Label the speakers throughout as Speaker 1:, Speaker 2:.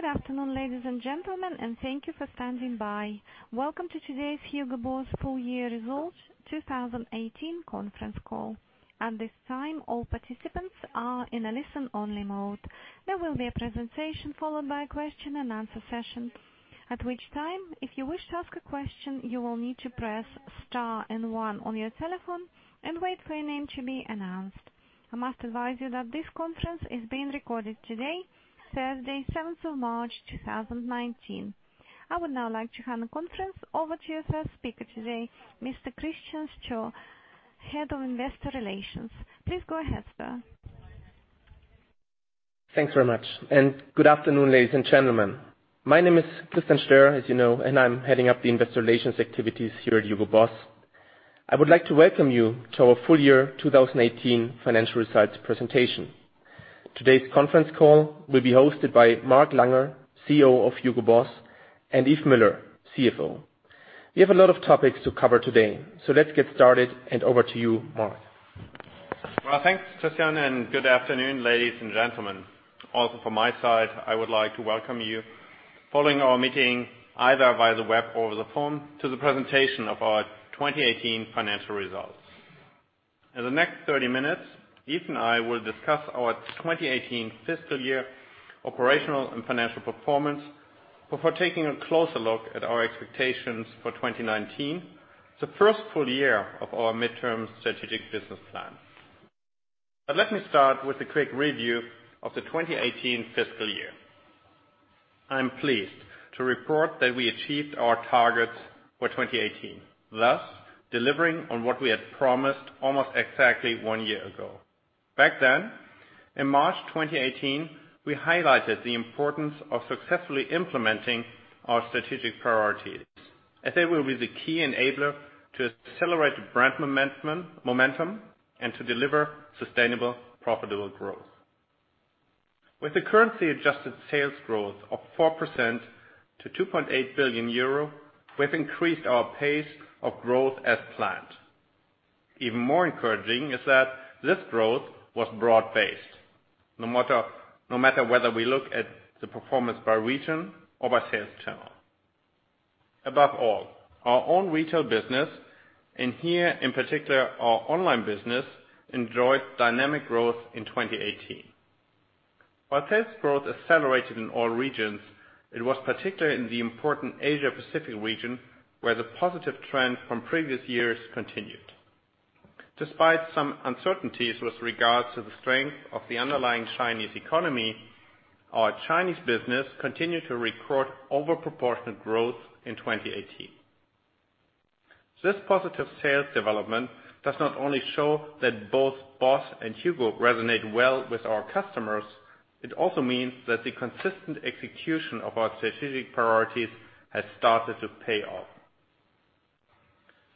Speaker 1: Good afternoon, ladies and gentlemen. Thank you for standing by. Welcome to today's Hugo Boss full year results 2018 conference call. At this time, all participants are in a listen-only mode. There will be a presentation followed by a question and answer session, at which time, if you wish to ask a question, you will need to press Star and One on your telephone and wait for your name to be announced. I must advise you that this conference is being recorded today, Thursday, 7th of March 2019. I would now like to hand the conference over to your first speaker today, Mr. Christian Stoehr, Head of Investor Relations. Please go ahead, sir.
Speaker 2: Thanks very much. Good afternoon, ladies and gentlemen. My name is Christian Stoehr, as you know, and I'm heading up the investor relations activities here at Hugo Boss. I would like to welcome you to our full year 2018 financial results presentation. Today's conference call will be hosted by Mark Langer, CEO of Hugo Boss, and Yves Müller, CFO. Let's get started, and over to you, Mark.
Speaker 3: Well, thanks, Christian. Good afternoon, ladies and gentlemen. Also from my side, I would like to welcome you following our meeting, either via the web or the phone, to the presentation of our 2018 financial results. In the next 30 minutes, Yves and I will discuss our 2018 fiscal year operational and financial performance before taking a closer look at our expectations for 2019, the first full year of our midterm strategic business plan. Let me start with a quick review of the 2018 fiscal year. I'm pleased to report that we achieved our targets for 2018, thus delivering on what we had promised almost exactly one year ago. Back then, in March 2018, we highlighted the importance of successfully implementing our strategic priorities, as they will be the key enabler to accelerate the brand momentum and to deliver sustainable, profitable growth. With the currency-adjusted sales growth of 4% to 2.8 billion euro, we've increased our pace of growth as planned. Even more encouraging is that this growth was broad-based, no matter whether we look at the performance by region or by sales channel. Above all, our own retail business, and here, in particular, our online business, enjoyed dynamic growth in 2018. While sales growth accelerated in all regions, it was particularly in the important Asia Pacific region, where the positive trend from previous years continued. Despite some uncertainties with regards to the strength of the underlying Chinese economy, our Chinese business continued to record over-proportionate growth in 2018. This positive sales development does not only show that both BOSS and HUGO resonate well with our customers, it also means that the consistent execution of our strategic priorities has started to pay off.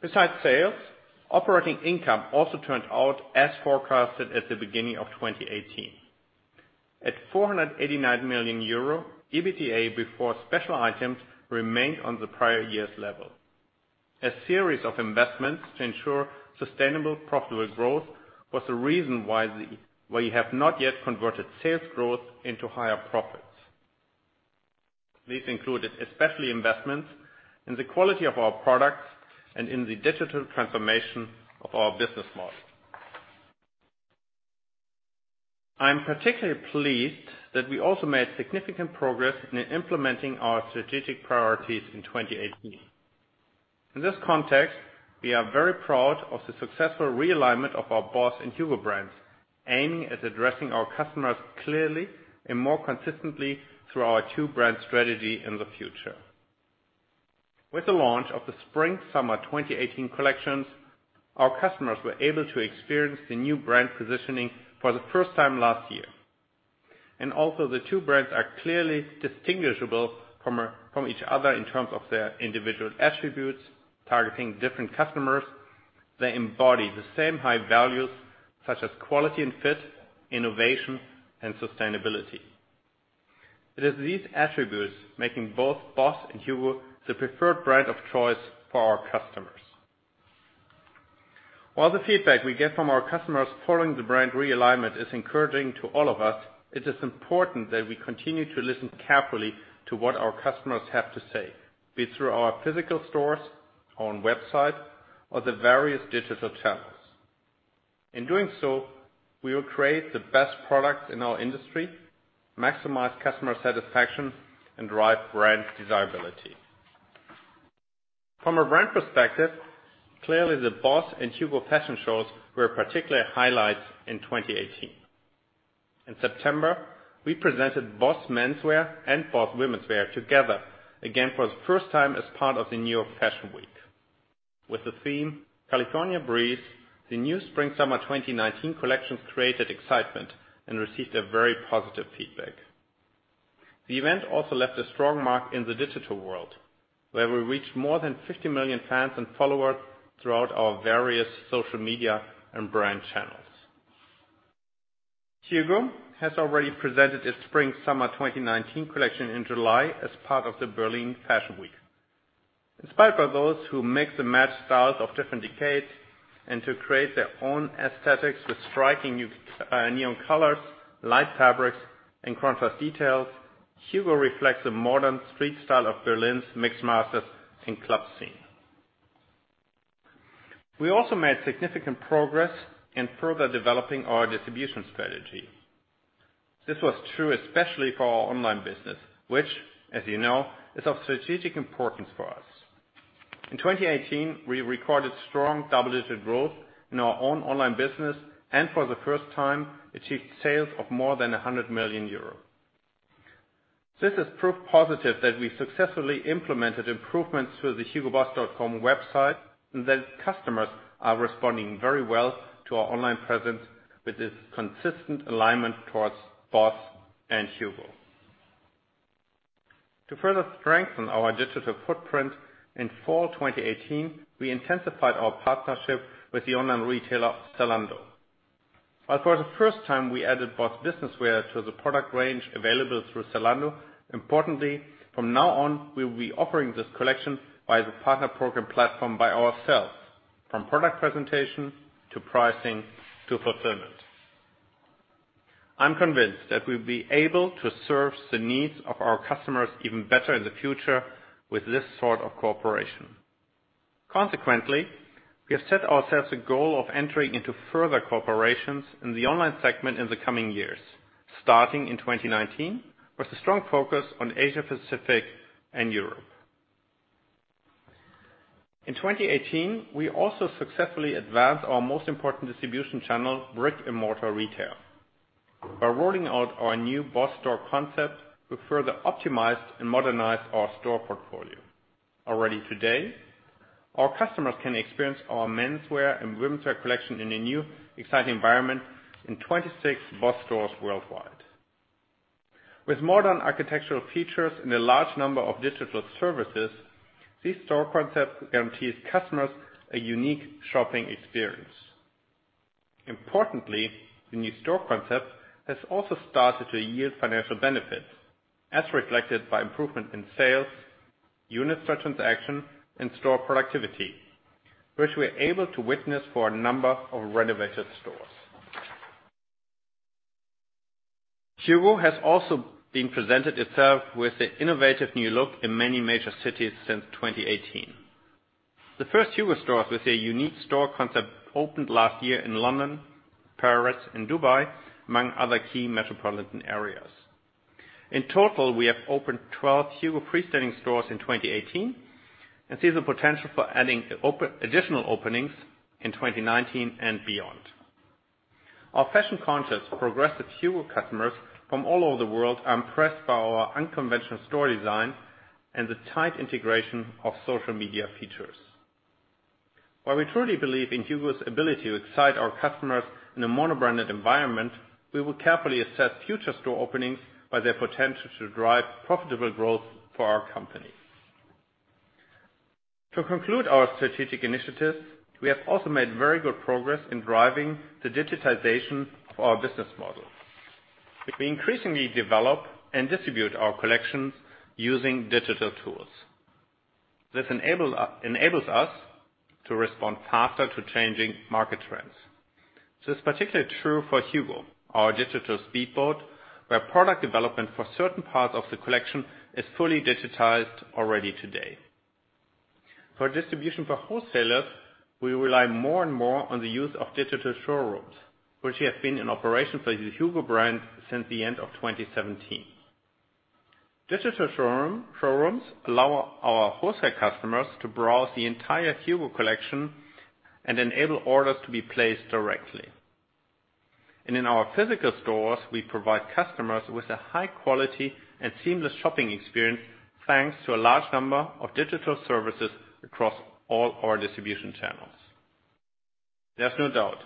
Speaker 3: Besides sales, operating income also turned out as forecasted at the beginning of 2018. At 489 million euro, EBITDA before special items remained on the prior year's level. A series of investments to ensure sustainable profitable growth was the reason why we have not yet converted sales growth into higher profits. These included especially investments in the quality of our products and in the digital transformation of our business model. I am particularly pleased that we also made significant progress in implementing our strategic priorities in 2018. In this context, we are very proud of the successful realignment of our BOSS and HUGO brands, aiming at addressing our customers clearly and more consistently through our two-brand strategy in the future. With the launch of the Spring/Summer 2018 collections, our customers were able to experience the new brand positioning for the first time last year. Also the two brands are clearly distinguishable from each other in terms of their individual attributes, targeting different customers. They embody the same high values such as quality and fit, innovation, and sustainability. It is these attributes making both BOSS and HUGO the preferred brand of choice for our customers. While the feedback we get from our customers following the brand realignment is encouraging to all of us, it is important that we continue to listen carefully to what our customers have to say, be it through our physical stores, on website, or the various digital channels. In doing so, we will create the best products in our industry, maximize customer satisfaction, and drive brand desirability. From a brand perspective, clearly the BOSS and HUGO fashion shows were particular highlights in 2018. In September, we presented BOSS menswear and BOSS womenswear together again for the first time as part of the New York Fashion Week. With the theme California Breeze, the new Spring/Summer 2019 collections created excitement and received a very positive feedback. The event also left a strong mark in the digital world, where we reached more than 50 million fans and followers throughout our various social media and brand channels. HUGO has already presented its Spring/Summer 2019 collection in July as part of the Berlin Fashion Week. Inspired by those who mix and match styles of different decades, and to create their own aesthetics with striking new neon colors, light fabrics, and contrast details, HUGO reflects the modern street style of Berlin's mix masters and club scene. We also made significant progress in further developing our distribution strategy. This was true especially for our online business, which, as you know, is of strategic importance for us. In 2018, we recorded strong double-digit growth in our own online business, and for the first time, achieved sales of more than 100 million euros. This is proof positive that we successfully implemented improvements to the hugoboss.com website, and that customers are responding very well to our online presence with its consistent alignment towards BOSS and HUGO. To further strengthen our digital footprint, in fall 2018, we intensified our partnership with the online retailer, Zalando. While for the first time we added BOSS business wear to the product range available through Zalando, importantly, from now on, we will be offering this collection via the partner program platform by ourselves, from product presentation to pricing to fulfillment. I'm convinced that we'll be able to serve the needs of our customers even better in the future with this sort of cooperation. Consequently, we have set ourselves a goal of entering into further cooperations in the online segment in the coming years, starting in 2019, with a strong focus on Asia-Pacific and Europe. In 2018, we also successfully advanced our most important distribution channel, brick-and-mortar retail. By rolling out our new BOSS store concept, we further optimized and modernized our store portfolio. Already today, our customers can experience our menswear and womenswear collection in a new exciting environment in 26 BOSS stores worldwide. With modern architectural features and a large number of digital services, this store concept guarantees customers a unique shopping experience. Importantly, the new store concept has also started to yield financial benefits, as reflected by improvement in sales, units per transaction, and store productivity, which we're able to witness for a number of renovated stores. HUGO has also been presented itself with an innovative new look in many major cities since 2018. The first HUGO stores with a unique store concept opened last year in London, Paris, and Dubai, among other key metropolitan areas. In total, we have opened 12 HUGO freestanding stores in 2018, and see the potential for adding additional openings in 2019 and beyond. Our fashion-conscious, progressive HUGO customers from all over the world are impressed by our unconventional store design and the tight integration of social media features. While we truly believe in HUGO's ability to excite our customers in a mono-branded environment, we will carefully assess future store openings by their potential to drive profitable growth for our company. To conclude our strategic initiatives, we have also made very good progress in driving the digitization of our business model, which we increasingly develop and distribute our collections using digital tools. This enables us to respond faster to changing market trends. This is particularly true for HUGO, our digital speedboat, where product development for certain parts of the collection is fully digitized already today. For distribution for wholesalers, we rely more and more on the use of digital showrooms, which have been in operation for the HUGO brand since the end of 2017. Digital showrooms allow our wholesale customers to browse the entire HUGO collection and enable orders to be placed directly. In our physical stores, we provide customers with a high quality and seamless shopping experience, thanks to a large number of digital services across all our distribution channels. There's no doubt,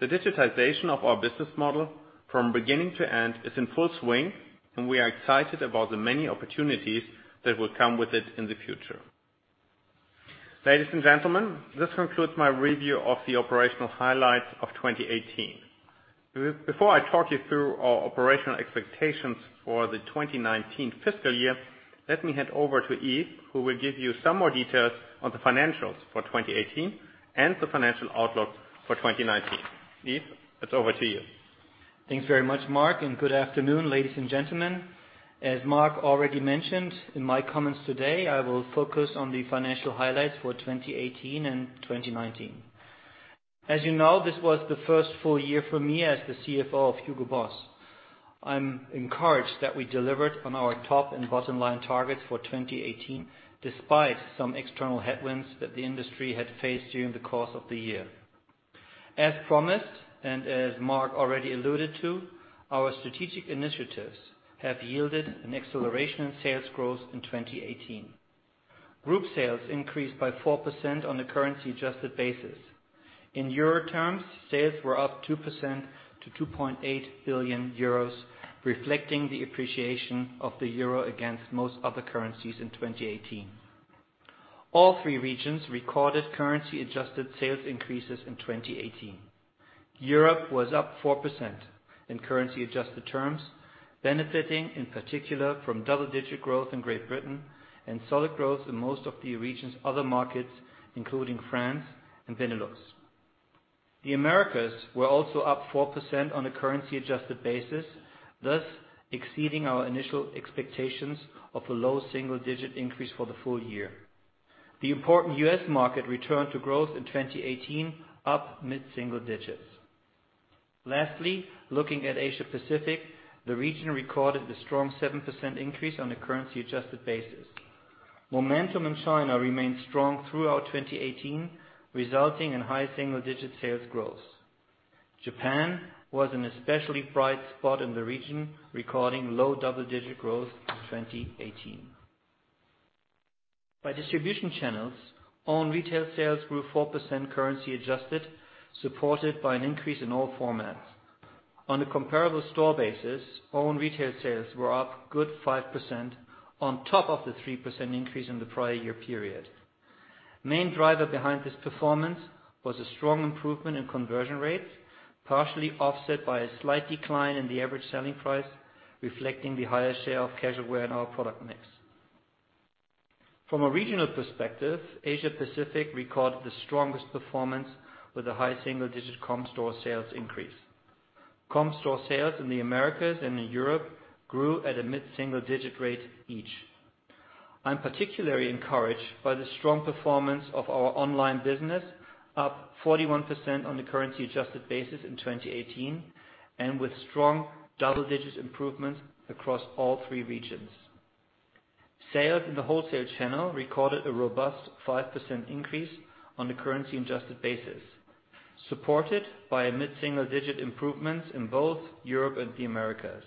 Speaker 3: the digitization of our business model from beginning to end is in full swing. We are excited about the many opportunities that will come with it in the future. Ladies and gentlemen, this concludes my review of the operational highlights of 2018. Before I talk you through our operational expectations for the 2019 fiscal year, let me hand over to Yves, who will give you some more details on the financials for 2018, and the financial outlook for 2019. Yves, it's over to you.
Speaker 4: Thanks very much, Mark. Good afternoon, ladies and gentlemen. As Mark already mentioned, in my comments today, I will focus on the financial highlights for 2018 and 2019. As you know, this was the first full year for me as the CFO of Hugo Boss. I am encouraged that we delivered on our top and bottom-line targets for 2018, despite some external headwinds that the industry had faced during the course of the year. As promised, as Mark already alluded to, our strategic initiatives have yielded an acceleration in sales growth in 2018. Group sales increased by 4% on a currency-adjusted basis. In Euro terms, sales were up 2% to 2.8 billion euros, reflecting the appreciation of the Euro against most other currencies in 2018. All three regions recorded currency-adjusted sales increases in 2018. Europe was up 4% in currency-adjusted terms, benefiting in particular from double-digit growth in Great Britain and solid growth in most of the region's other markets, including France and Benelux. The Americas were also up 4% on a currency-adjusted basis, thus exceeding our initial expectations of a low single-digit increase for the full year. The important U.S. market returned to growth in 2018, up mid-single digits. Lastly, looking at Asia-Pacific, the region recorded a strong 7% increase on a currency-adjusted basis. Momentum in China remained strong throughout 2018, resulting in high single-digit sales growth. Japan was an especially bright spot in the region, recording low double-digit growth in 2018. By distribution channels, own retail sales grew 4% currency adjusted, supported by an increase in all formats. On a comparable store basis, own retail sales were up a good 5% on top of the 3% increase in the prior year period. Main driver behind this performance was a strong improvement in conversion rates, partially offset by a slight decline in the average selling price, reflecting the higher share of casual wear in our product mix. From a regional perspective, Asia-Pacific recorded the strongest performance with a high single-digit comp store sales increase. Comp store sales in the Americas and in Europe grew at a mid-single-digit rate each. I am particularly encouraged by the strong performance of our online business, up 41% on the currency-adjusted basis in 2018, with strong double-digit improvements across all three regions. Sales in the wholesale channel recorded a robust 5% increase on the currency-adjusted basis, supported by mid-single-digit improvements in both Europe and the Americas.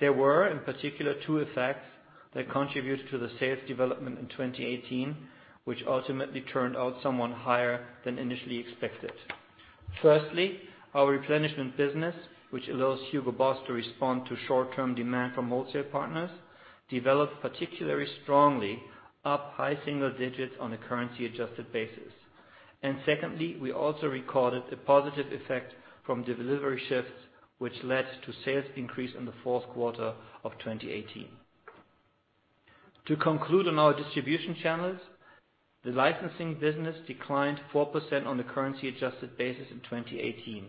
Speaker 4: There were, in particular, two effects that contributed to the sales development in 2018, which ultimately turned out somewhat higher than initially expected. Firstly, our replenishment business, which allows Hugo Boss to respond to short-term demand from wholesale partners, developed particularly strongly, up high single digits on a currency-adjusted basis. Secondly, we also recorded a positive effect from the delivery shifts, which led to sales increase in the fourth quarter of 2018. To conclude on our distribution channels, the licensing business declined 4% on the currency-adjusted basis in 2018.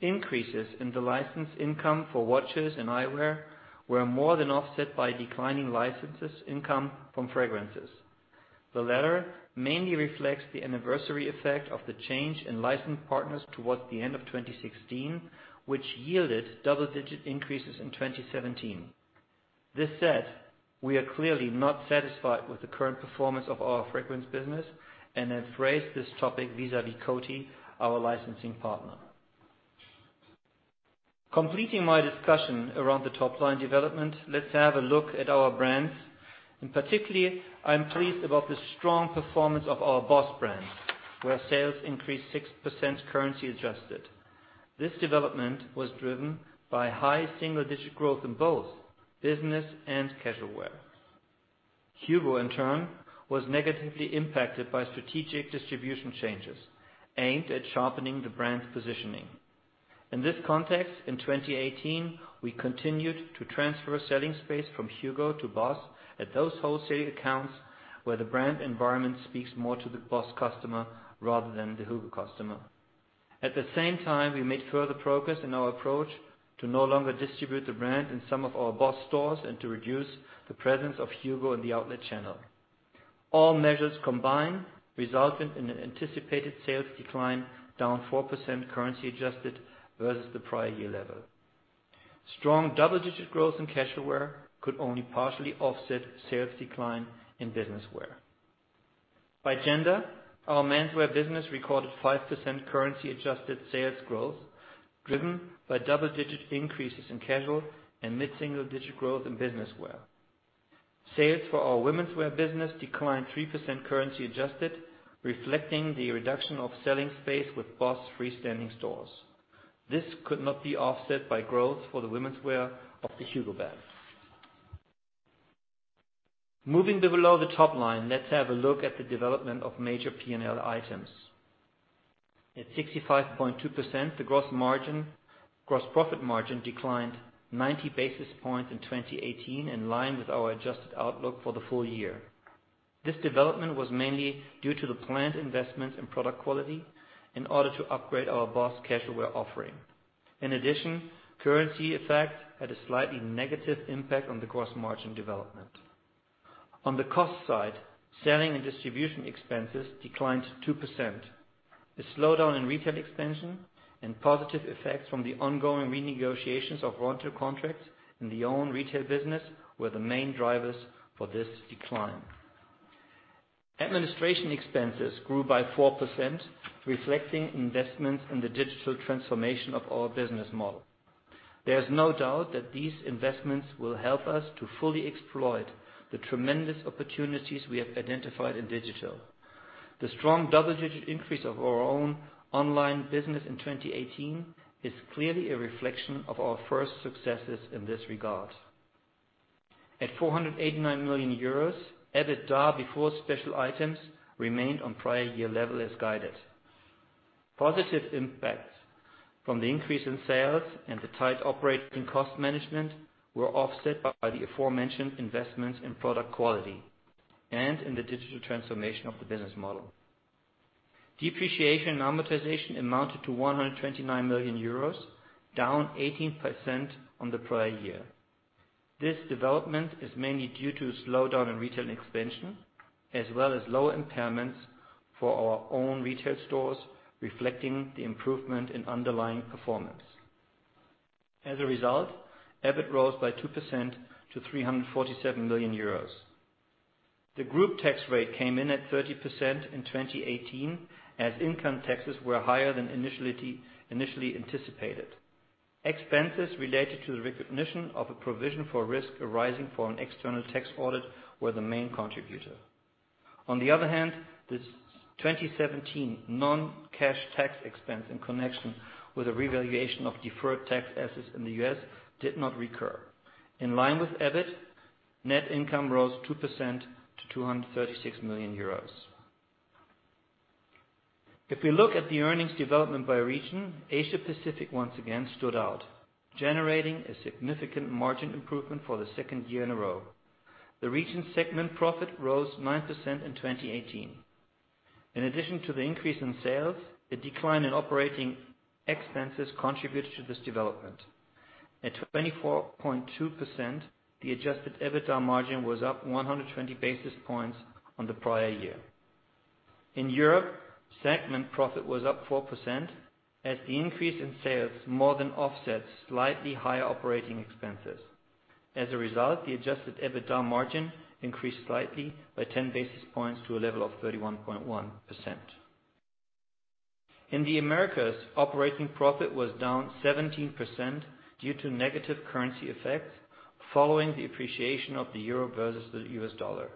Speaker 4: Increases in the license income for watches and eyewear were more than offset by declining licenses income from fragrances. The latter mainly reflects the anniversary effect of the change in license partners towards the end of 2016, which yielded double-digit increases in 2017. This said, we are clearly not satisfied with the current performance of our fragrance business and have raised this topic vis-à-vis Coty, our licensing partner. Completing my discussion around the top-line development, let's have a look at our brands. In particular, I'm pleased about the strong performance of our BOSS brand, where sales increased 6% currency adjusted. This development was driven by high single-digit growth in both business and casual wear. HUGO, in turn, was negatively impacted by strategic distribution changes aimed at sharpening the brand positioning. In this context, in 2018, we continued to transfer selling space from HUGO to BOSS at those wholesale accounts where the brand environment speaks more to the BOSS customer rather than the HUGO customer. At the same time, we made further progress in our approach to no longer distribute the brand in some of our BOSS stores and to reduce the presence of HUGO in the outlet channel. All measures combined resulted in an anticipated sales decline down 4% currency adjusted versus the prior year level. Strong double-digit growth in casual wear could only partially offset sales decline in business wear. By gender, our menswear business recorded 5% currency-adjusted sales growth, driven by double-digit increases in casual and mid-single-digit growth in business wear. Sales for our womenswear business declined 3% currency adjusted, reflecting the reduction of selling space with BOSS freestanding stores. This could not be offset by growth for the womenswear of the HUGO brand. Moving below the top line, let's have a look at the development of major P&L items. At 65.2%, the gross profit margin declined 90 basis points in 2018, in line with our adjusted outlook for the full year. This development was mainly due to the planned investments in product quality in order to upgrade our BOSS casual wear offering. In addition, currency effect had a slightly negative impact on the gross margin development. On the cost side, selling and distribution expenses declined 2%. The slowdown in retail expansion and positive effects from the ongoing renegotiations of rental contracts in the own retail business were the main drivers for this decline. Administration expenses grew by 4%, reflecting investments in the digital transformation of our business model. There is no doubt that these investments will help us to fully exploit the tremendous opportunities we have identified in digital. The strong double-digit increase of our own online business in 2018 is clearly a reflection of our first successes in this regard. At 489 million euros, EBITDA before special items remained on prior year level as guided. Positive impacts from the increase in sales and the tight operating cost management were offset by the aforementioned investments in product quality and in the digital transformation of the business model. Depreciation and amortization amounted to 129 million euros, down 18% on the prior year. This development is mainly due to a slowdown in retail expansion, as well as low impairments for our own retail stores, reflecting the improvement in underlying performance. As a result, EBIT rose by 2% to 347 million euros. The group tax rate came in at 30% in 2018, as income taxes were higher than initially anticipated. Expenses related to the recognition of a provision for risk arising for an external tax audit were the main contributor. On the other hand, the 2017 non-cash tax expense in connection with a revaluation of deferred tax assets in the U.S. did not recur. In line with EBIT, net income rose 2% to 236 million euros. If we look at the earnings development by region, Asia-Pacific once again stood out, generating a significant margin improvement for the second year in a row. The region segment profit rose 9% in 2018. In addition to the increase in sales, the decline in operating expenses contributed to this development. At 24.2%, the adjusted EBITDA margin was up 120 basis points on the prior year. In Europe, segment profit was up 4%, as the increase in sales more than offset slightly higher operating expenses. As a result, the adjusted EBITDA margin increased slightly by 10 basis points to a level of 31.1%. In the Americas, operating profit was down 17% due to negative currency effects following the appreciation of the euro versus the US dollar.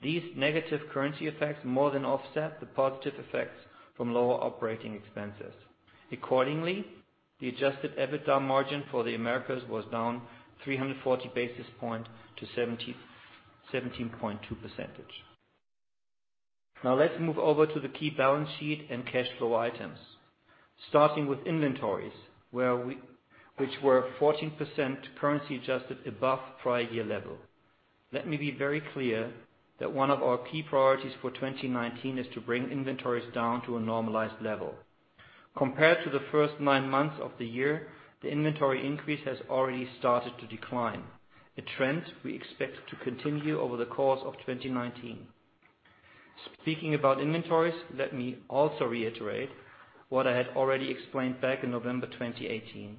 Speaker 4: These negative currency effects more than offset the positive effects from lower operating expenses. Accordingly, the adjusted EBITDA margin for the Americas was down 340 basis points to 17.2%. Now let's move over to the key balance sheet and cash flow items. Starting with inventories, which were 14% currency adjusted above prior year level. Let me be very clear that one of our key priorities for 2019 is to bring inventories down to a normalized level. Compared to the first nine months of the year, the inventory increase has already started to decline, a trend we expect to continue over the course of 2019. Speaking about inventories, let me also reiterate what I had already explained back in November 2018.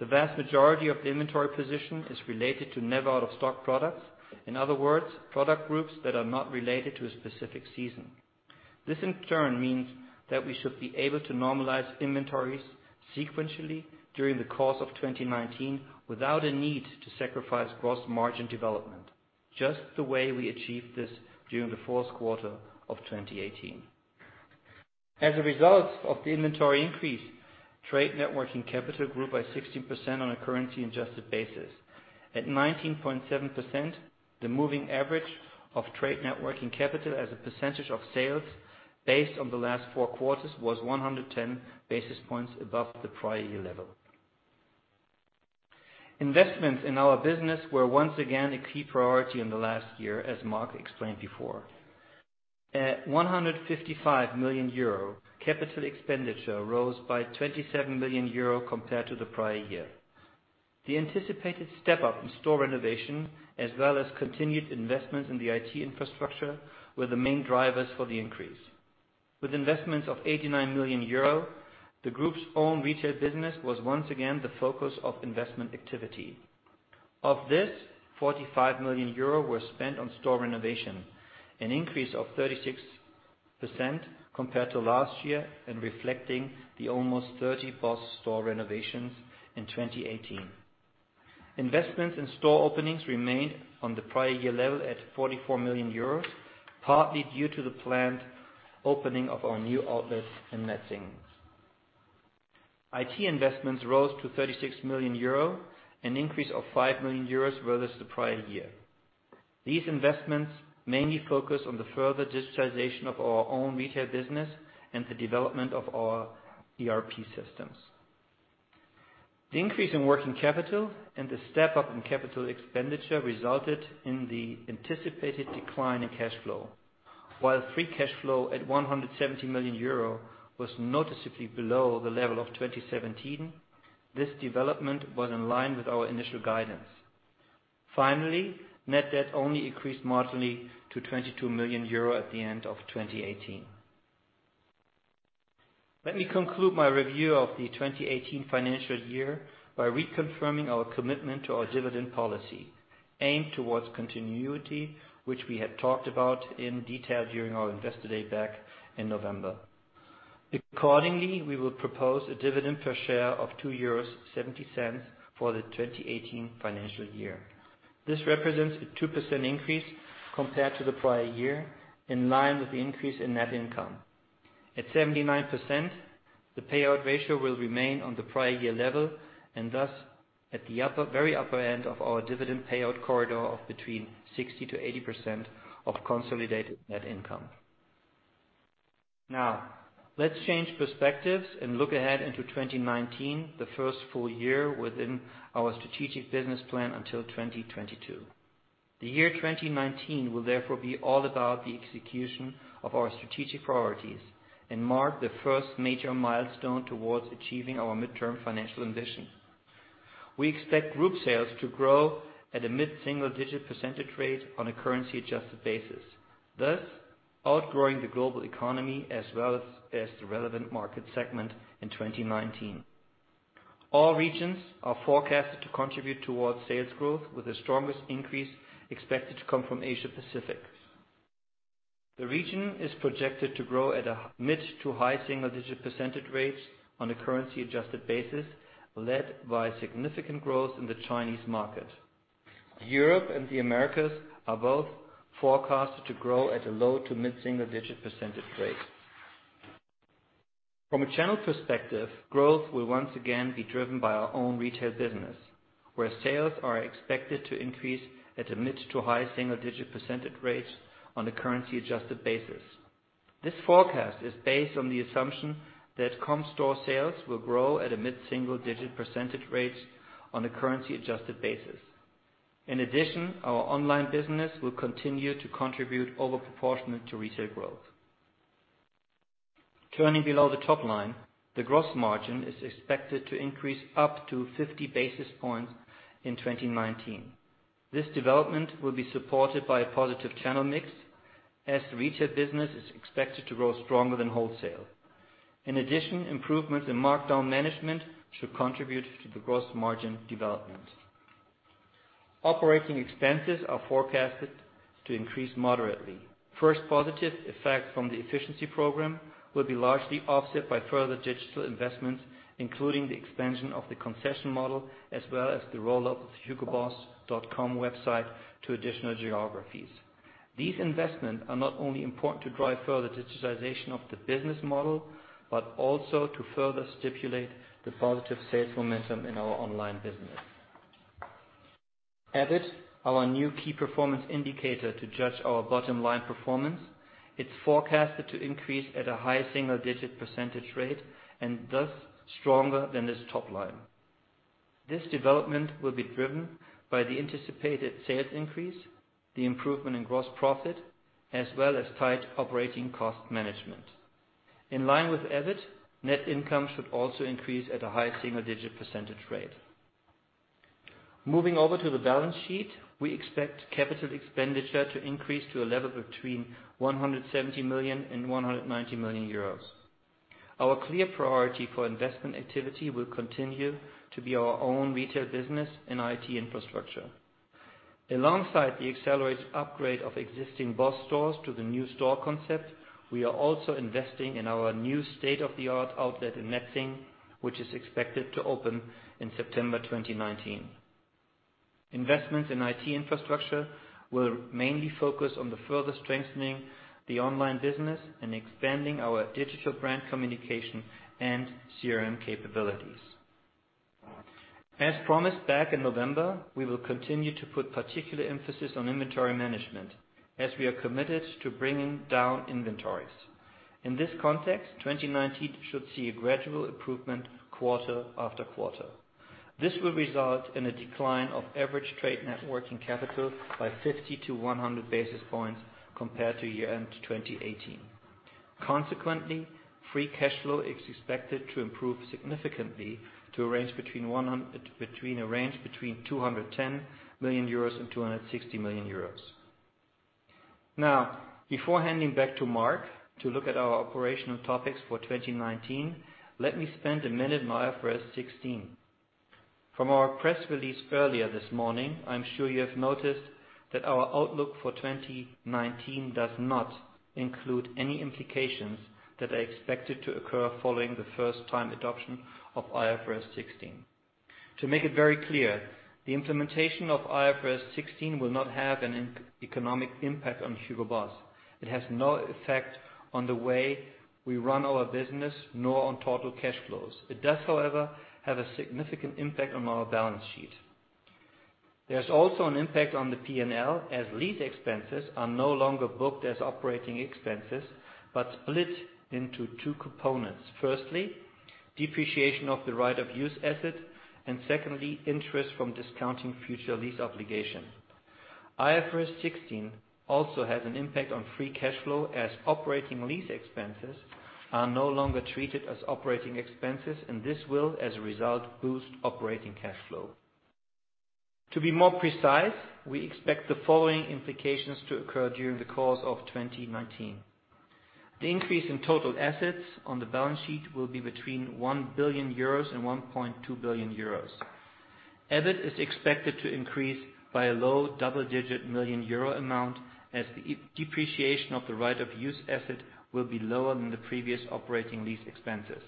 Speaker 4: The vast majority of the inventory position is related to never out-of-stock products. In other words, product groups that are not related to a specific season. This in turn means that we should be able to normalize inventories sequentially during the course of 2019 without a need to sacrifice gross margin development, just the way we achieved this during the fourth quarter of 2018. As a result of the inventory increase, trade net working capital grew by 16% on a currency adjusted basis. At 19.7%, the moving average of trade net working capital as a percentage of sales based on the last four quarters was 110 basis points above the prior year level. Investments in our business were once again a key priority in the last year, as Mark explained before. At 155 million euro, capital expenditure rose by 27 million euro compared to the prior year. The anticipated step-up in store renovation, as well as continued investments in the IT infrastructure, were the main drivers for the increase. With investments of 89 million euro, the group's own retail business was once again the focus of investment activity. Of this, 45 million euro were spent on store renovation, an increase of 36% compared to last year, and reflecting the almost 30 BOSS store renovations in 2018. Investments in store openings remained on the prior year level at 44 million euros, partly due to the planned opening of our new outlet in Metzingen. IT investments rose to 36 million euro, an increase of 5 million euros versus the prior year. These investments mainly focus on the further digitization of our own retail business and the development of our ERP systems. The increase in working capital and the step-up in capital expenditure resulted in the anticipated decline in cash flow. While free cash flow at 170 million euro was noticeably below the level of 2017, this development was in line with our initial guidance. Finally, net debt only increased marginally to 22 million euro at the end of 2018. Let me conclude my review of the 2018 financial year by reconfirming our commitment to our dividend policy, aimed towards continuity, which we had talked about in detail during our Investor Day back in November. Accordingly, we will propose a dividend per share of 2.70 euros for the 2018 financial year. This represents a 2% increase compared to the prior year, in line with the increase in net income. At 79%, the payout ratio will remain on the prior year level, and thus at the very upper end of our dividend payout corridor of between 60%-80% of consolidated net income. Let's change perspectives and look ahead into 2019, the first full year within our strategic business plan until 2022. The year 2019 will therefore be all about the execution of our strategic priorities and mark the first major milestone towards achieving our midterm financial ambition. We expect group sales to grow at a mid-single-digit percentage rate on a currency-adjusted basis, thus outgrowing the global economy as well as the relevant market segment in 2019. All regions are forecasted to contribute towards sales growth, with the strongest increase expected to come from Asia Pacific. The region is projected to grow at a mid- to high-single-digit percentage rate on a currency-adjusted basis, led by significant growth in the Chinese market. Europe and the Americas are both forecasted to grow at a low- to mid-single-digit percentage rate. From a channel perspective, growth will once again be driven by our own retail business, where sales are expected to increase at a mid- to high-single-digit percentage rate on a currency-adjusted basis. This forecast is based on the assumption that comp store sales will grow at a mid-single-digit percentage rate on a currency-adjusted basis. In addition, our online business will continue to contribute over-proportionate to retail growth. Turning below the top line, the gross margin is expected to increase up to 50 basis points in 2019. This development will be supported by a positive channel mix as the retail business is expected to grow stronger than wholesale. In addition, improvements in markdown management should contribute to the gross margin development. Operating expenses are forecasted to increase moderately. First positive effect from the efficiency program will be largely offset by further digital investments, including the expansion of the concession model, as well as the rollout of hugoboss.com website to additional geographies. These investments are not only important to drive further digitization of the business model, but also to further stipulate the positive sales momentum in our online business. EBIT, our new key performance indicator to judge our bottom line performance, it's forecasted to increase at a high-single-digit percentage rate and thus stronger than this top line. This development will be driven by the anticipated sales increase, the improvement in gross profit, as well as tight operating cost management. In line with EBIT, net income should also increase at a high single-digit percentage rate. Moving over to the balance sheet, we expect capital expenditure to increase to a level between 170 million and 190 million euros. Our clear priority for investment activity will continue to be our own retail business and IT infrastructure. Alongside the accelerated upgrade of existing BOSS stores to the new store concept, we are also investing in our new state-of-the-art outlet in Metzingen, which is expected to open in September 2019. Investments in IT infrastructure will mainly focus on the further strengthening the online business and expanding our digital brand communication and CRM capabilities. As promised back in November, we will continue to put particular emphasis on inventory management as we are committed to bringing down inventories. In this context, 2019 should see a gradual improvement quarter after quarter. This will result in a decline of average trade net working capital by 50-100 basis points compared to year-end 2018. Consequently, free cash flow is expected to improve significantly to a range between 210 million euros and 260 million euros. Before handing back to Mark to look at our operational topics for 2019, let me spend a minute on IFRS 16. From our press release earlier this morning, I'm sure you have noticed that our outlook for 2019 does not include any implications that are expected to occur following the first-time adoption of IFRS 16. To make it very clear, the implementation of IFRS 16 will not have an economic impact on Hugo Boss. It has no effect on the way we run our business, nor on total cash flows. It does, however, have a significant impact on our balance sheet. There is also an impact on the P&L as lease expenses are no longer booked as operating expenses, but split into two components. Firstly, depreciation of the right of use asset, and secondly, interest from discounting future lease obligation. IFRS 16 also has an impact on free cash flow, as operating lease expenses are no longer treated as operating expenses, and this will, as a result, boost operating cash flow. To be more precise, we expect the following implications to occur during the course of 2019. The increase in total assets on the balance sheet will be between 1 billion euros and 1.2 billion euros. EBIT is expected to increase by a low double-digit million EUR amount as the depreciation of the right of use asset will be lower than the previous operating lease expenses.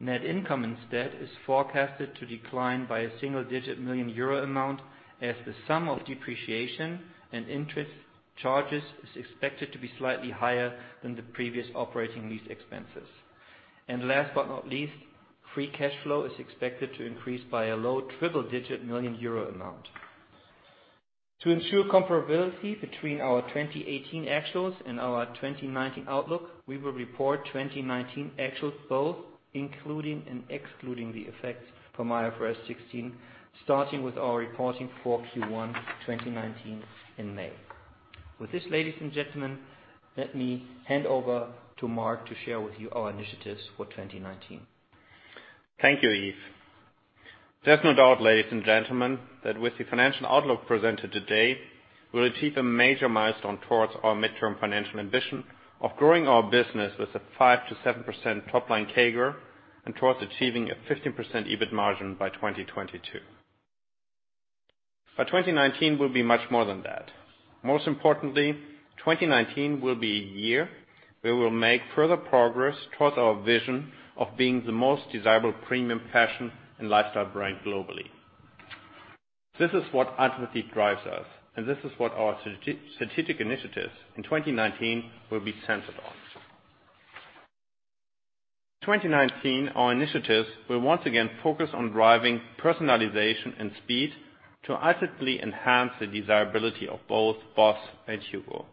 Speaker 4: Net income instead is forecasted to decline by a single-digit million EUR amount, as the sum of depreciation and interest charges is expected to be slightly higher than the previous operating lease expenses. Last but not least, free cash flow is expected to increase by a low triple-digit million EUR amount. To ensure comparability between our 2018 actuals and our 2019 outlook, we will report 2019 actuals both including and excluding the effects from IFRS 16, starting with our reporting for Q1 2019 in May. With this, ladies and gentlemen, let me hand over to Mark to share with you our initiatives for 2019.
Speaker 3: Thank you, Yves. There's no doubt, ladies and gentlemen, that with the financial outlook presented today, we'll achieve a major milestone towards our midterm financial ambition of growing our business with a 5%-7% top-line CAGR and towards achieving a 15% EBIT margin by 2022. By 2019, we'll be much more than that. Most importantly, 2019 will be a year where we'll make further progress towards our vision of being the most desirable premium fashion and lifestyle brand globally. This is what ultimately drives us, and this is what our strategic initiatives in 2019 will be centered on. 2019, our initiatives will once again focus on driving personalization and speed to actively enhance the desirability of both BOSS and HUGO.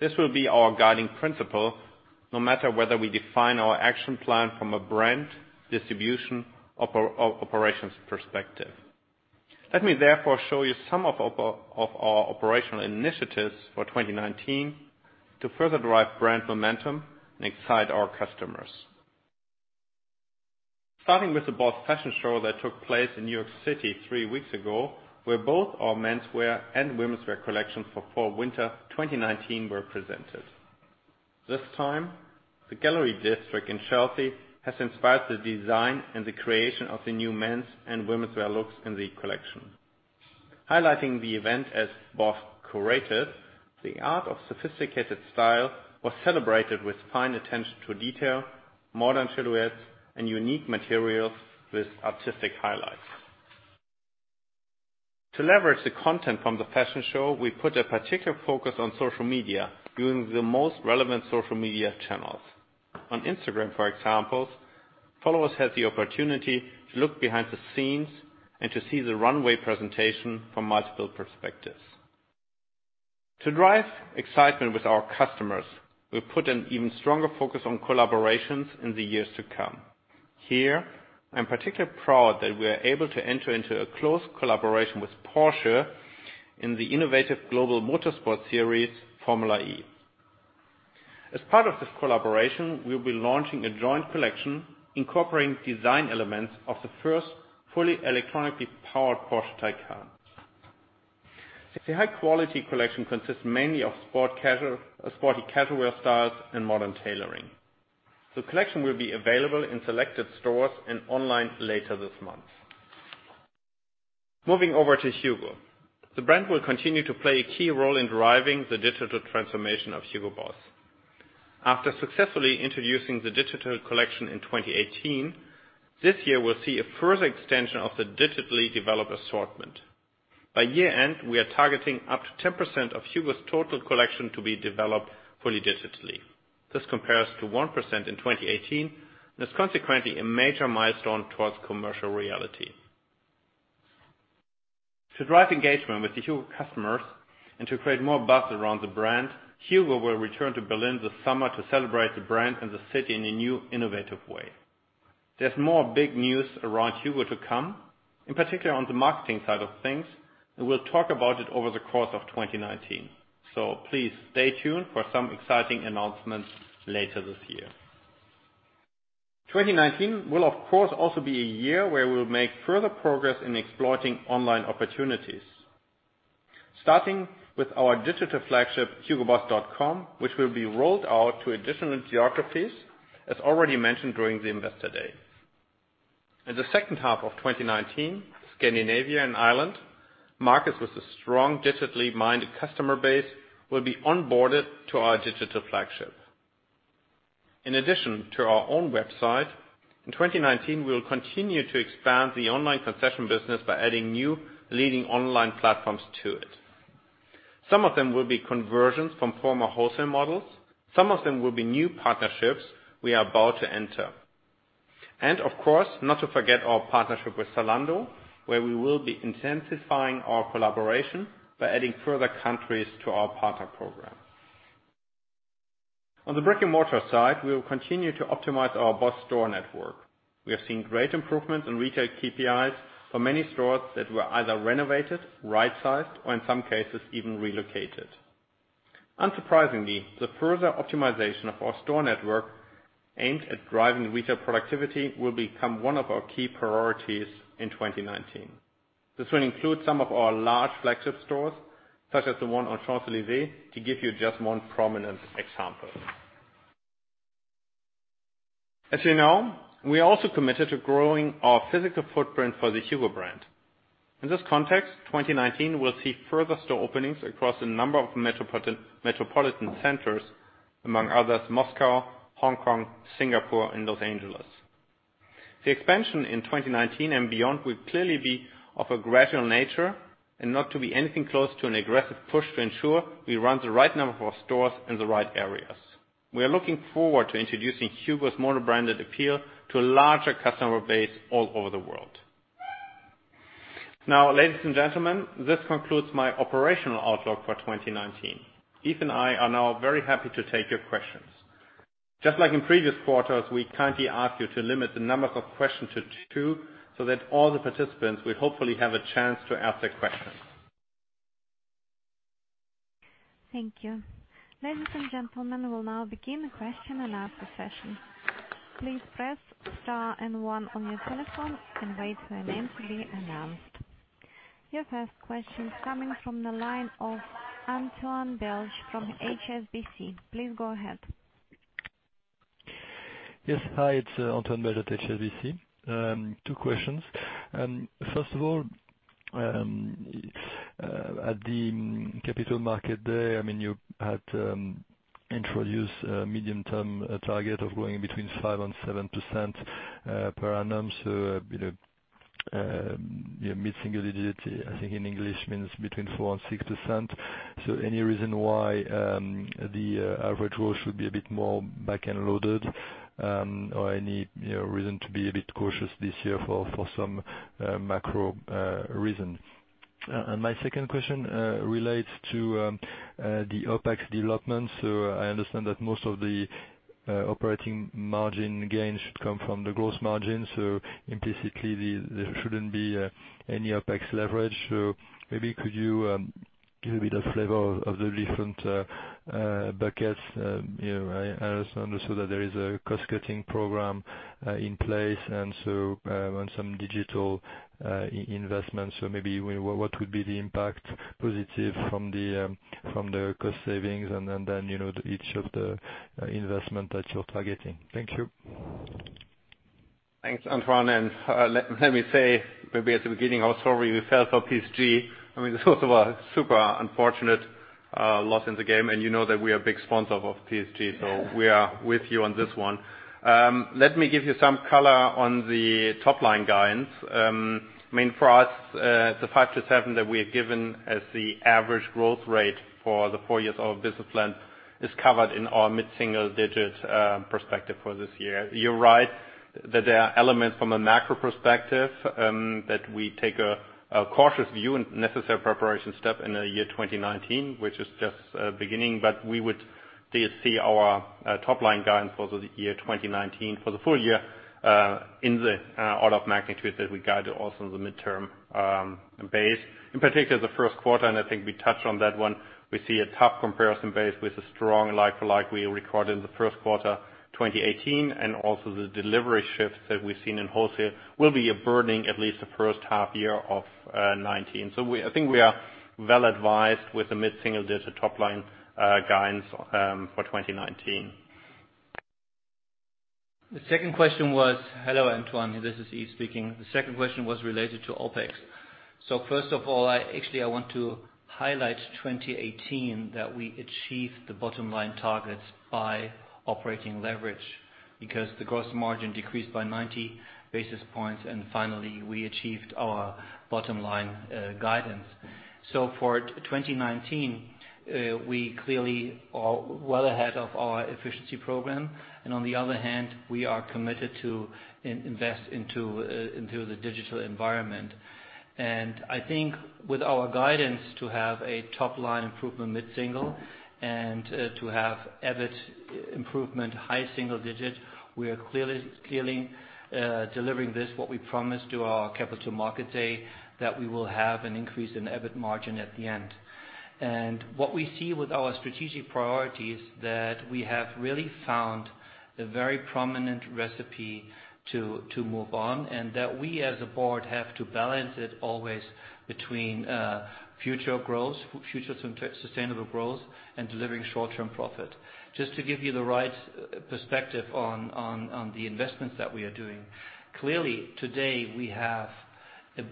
Speaker 3: This will be our guiding principle no matter whether we define our action plan from a brand, distribution, or operations perspective. Let me therefore show you some of our operational initiatives for 2019 to further drive brand momentum and excite our customers. Starting with the BOSS fashion show that took place in New York City three weeks ago, where both our menswear and womenswear collections for fall/winter 2019 were presented. This time, the Gallery District in Chelsea has inspired the design and the creation of the new men's and womenswear looks in the collection. Highlighting the event as BOSS curated, the art of sophisticated style was celebrated with fine attention to detail, modern silhouettes, and unique materials with artistic highlights. To leverage the content from the fashion show, we put a particular focus on social media using the most relevant social media channels. On Instagram, for example, followers had the opportunity to look behind the scenes and to see the runway presentation from multiple perspectives. To drive excitement with our customers, we put an even stronger focus on collaborations in the years to come. Here, I'm particularly proud that we are able to enter into a close collaboration with Porsche in the innovative global motorsport series, Formula E. As part of this collaboration, we'll be launching a joint collection incorporating design elements of the first fully electronically powered Porsche Taycan. The high-quality collection consists mainly of sporty casualwear styles and modern tailoring. The collection will be available in selected stores and online later this month. Moving over to HUGO. The brand will continue to play a key role in driving the digital transformation of Hugo Boss. After successfully introducing the digital collection in 2018, this year we'll see a further extension of the digitally developed assortment. By year-end, we are targeting up to 10% of HUGO's total collection to be developed fully digitally. This compares to 1% in 2018, and is consequently a major milestone towards commercial reality. To drive engagement with the HUGO customers and to create more buzz around the brand, HUGO will return to Berlin this summer to celebrate the brand and the city in a new, innovative way. There's more big news around HUGO to come, in particular on the marketing side of things, and we'll talk about it over the course of 2019. Please stay tuned for some exciting announcements later this year. 2019 will of course also be a year where we'll make further progress in exploiting online opportunities. Starting with our digital flagship, hugoboss.com, which will be rolled out to additional geographies, as already mentioned during the Investor Day. In the second half of 2019, Scandinavia and Ireland, markets with a strong digitally-minded customer base, will be onboarded to our digital flagship. In addition to our own website, in 2019, we will continue to expand the online concession business by adding new leading online platforms to it. Some of them will be conversions from former wholesale models. Some of them will be new partnerships we are about to enter. Of course, not to forget our partnership with Zalando, where we will be intensifying our collaboration by adding further countries to our partner program. On the brick-and-mortar side, we will continue to optimize our BOSS store network. We have seen great improvements in retail KPIs for many stores that were either renovated, right-sized, or in some cases even relocated. Unsurprisingly, the further optimization of our store network aimed at driving retail productivity will become one of our key priorities in 2019. This will include some of our large flagship stores, such as the one on Champs-Élysées, to give you just one prominent example. As you know, we are also committed to growing our physical footprint for the HUGO brand. In this context, 2019 will see further store openings across a number of metropolitan centers, among others, Moscow, Hong Kong, Singapore, and Los Angeles. The expansion in 2019 and beyond will clearly be of a gradual nature and not to be anything close to an aggressive push to ensure we run the right number of stores in the right areas. We are looking forward to introducing HUGO's mono-branded appeal to a larger customer base all over the world. Ladies and gentlemen, this concludes my operational outlook for 2019. Yves and I are now very happy to take your questions. Just like in previous quarters, we kindly ask you to limit the number of questions to two, that all the participants will hopefully have a chance to ask their questions.
Speaker 1: Thank you. Ladies and gentlemen, we will now begin the question and answer session. Please press star and one on your telephone and wait for your name to be announced. Your first question is coming from the line of Antoine Belge from HSBC. Please go ahead.
Speaker 5: Yes. Hi, it's Antoine Belge at HSBC. Two questions. First of all, at the Capital Markets Day, you had introduced a medium-term target of growing between 5% and 7% per annum, so mid-single digits, I think in English means between 4% and 6%. Any reason why the average growth should be a bit more back-end loaded? Any reason to be a bit cautious this year for some macro reason? My second question relates to the OpEx development. I understand that most of the operating margin gains should come from the gross margin. Implicitly, there shouldn't be any OpEx leverage. Maybe could you give a bit of flavor of the different buckets? I also understand that there is a cost-cutting program in place and some digital investments. Maybe what would be the impact positive from the cost savings and then, each of the investment that you're targeting? Thank you.
Speaker 3: Thanks, Antoine. Let me say maybe at the beginning, how sorry we felt for Paris Saint-Germain. It was a super unfortunate loss in the game. You know that we are a big sponsor of Paris Saint-Germain, so we are with you on this one. Let me give you some color on the top-line guidance. For us, the 5% to 7% that we have given as the average growth rate for the four years of business plan is covered in our mid-single digits perspective for this year. You're right that there are elements from a macro perspective that we take a cautious view and necessary preparation step in the year 2019, which is just beginning. We would still see our top-line guidance for the year 2019 for the full year in the order of magnitude that we guided also the midterm base. In particular the first quarter. I think we touched on that one. We see a tough comparison base with a strong like for like we recorded in the first quarter 2018, and also the delivery shifts that we've seen in wholesale will be burning at least the first half year of 2019. I think we are well advised with the mid-single-digit top line guidance for 2019.
Speaker 4: Hello, Antoine. This is Yves speaking. The second question was related to OpEx. First of all, actually, I want to highlight 2018 that we achieved the bottom-line targets by operating leverage because the gross margin decreased by 90 basis points, and finally, we achieved our bottom-line guidance. For 2019, we clearly are well ahead of our efficiency program. On the other hand, we are committed to invest into the digital environment. I think with our guidance to have a top-line improvement mid-single and to have EBIT improvement high single digit, we are clearly delivering this what we promised to our Capital Markets Day, that we will have an increase in EBIT margin at the end. What we see with our strategic priorities is that we have really found a very prominent recipe to move on, and that we, as a board, have to balance it always between future sustainable growth and delivering short-term profit. Just to give you the right perspective on the investments that we are doing. Clearly, today, we have a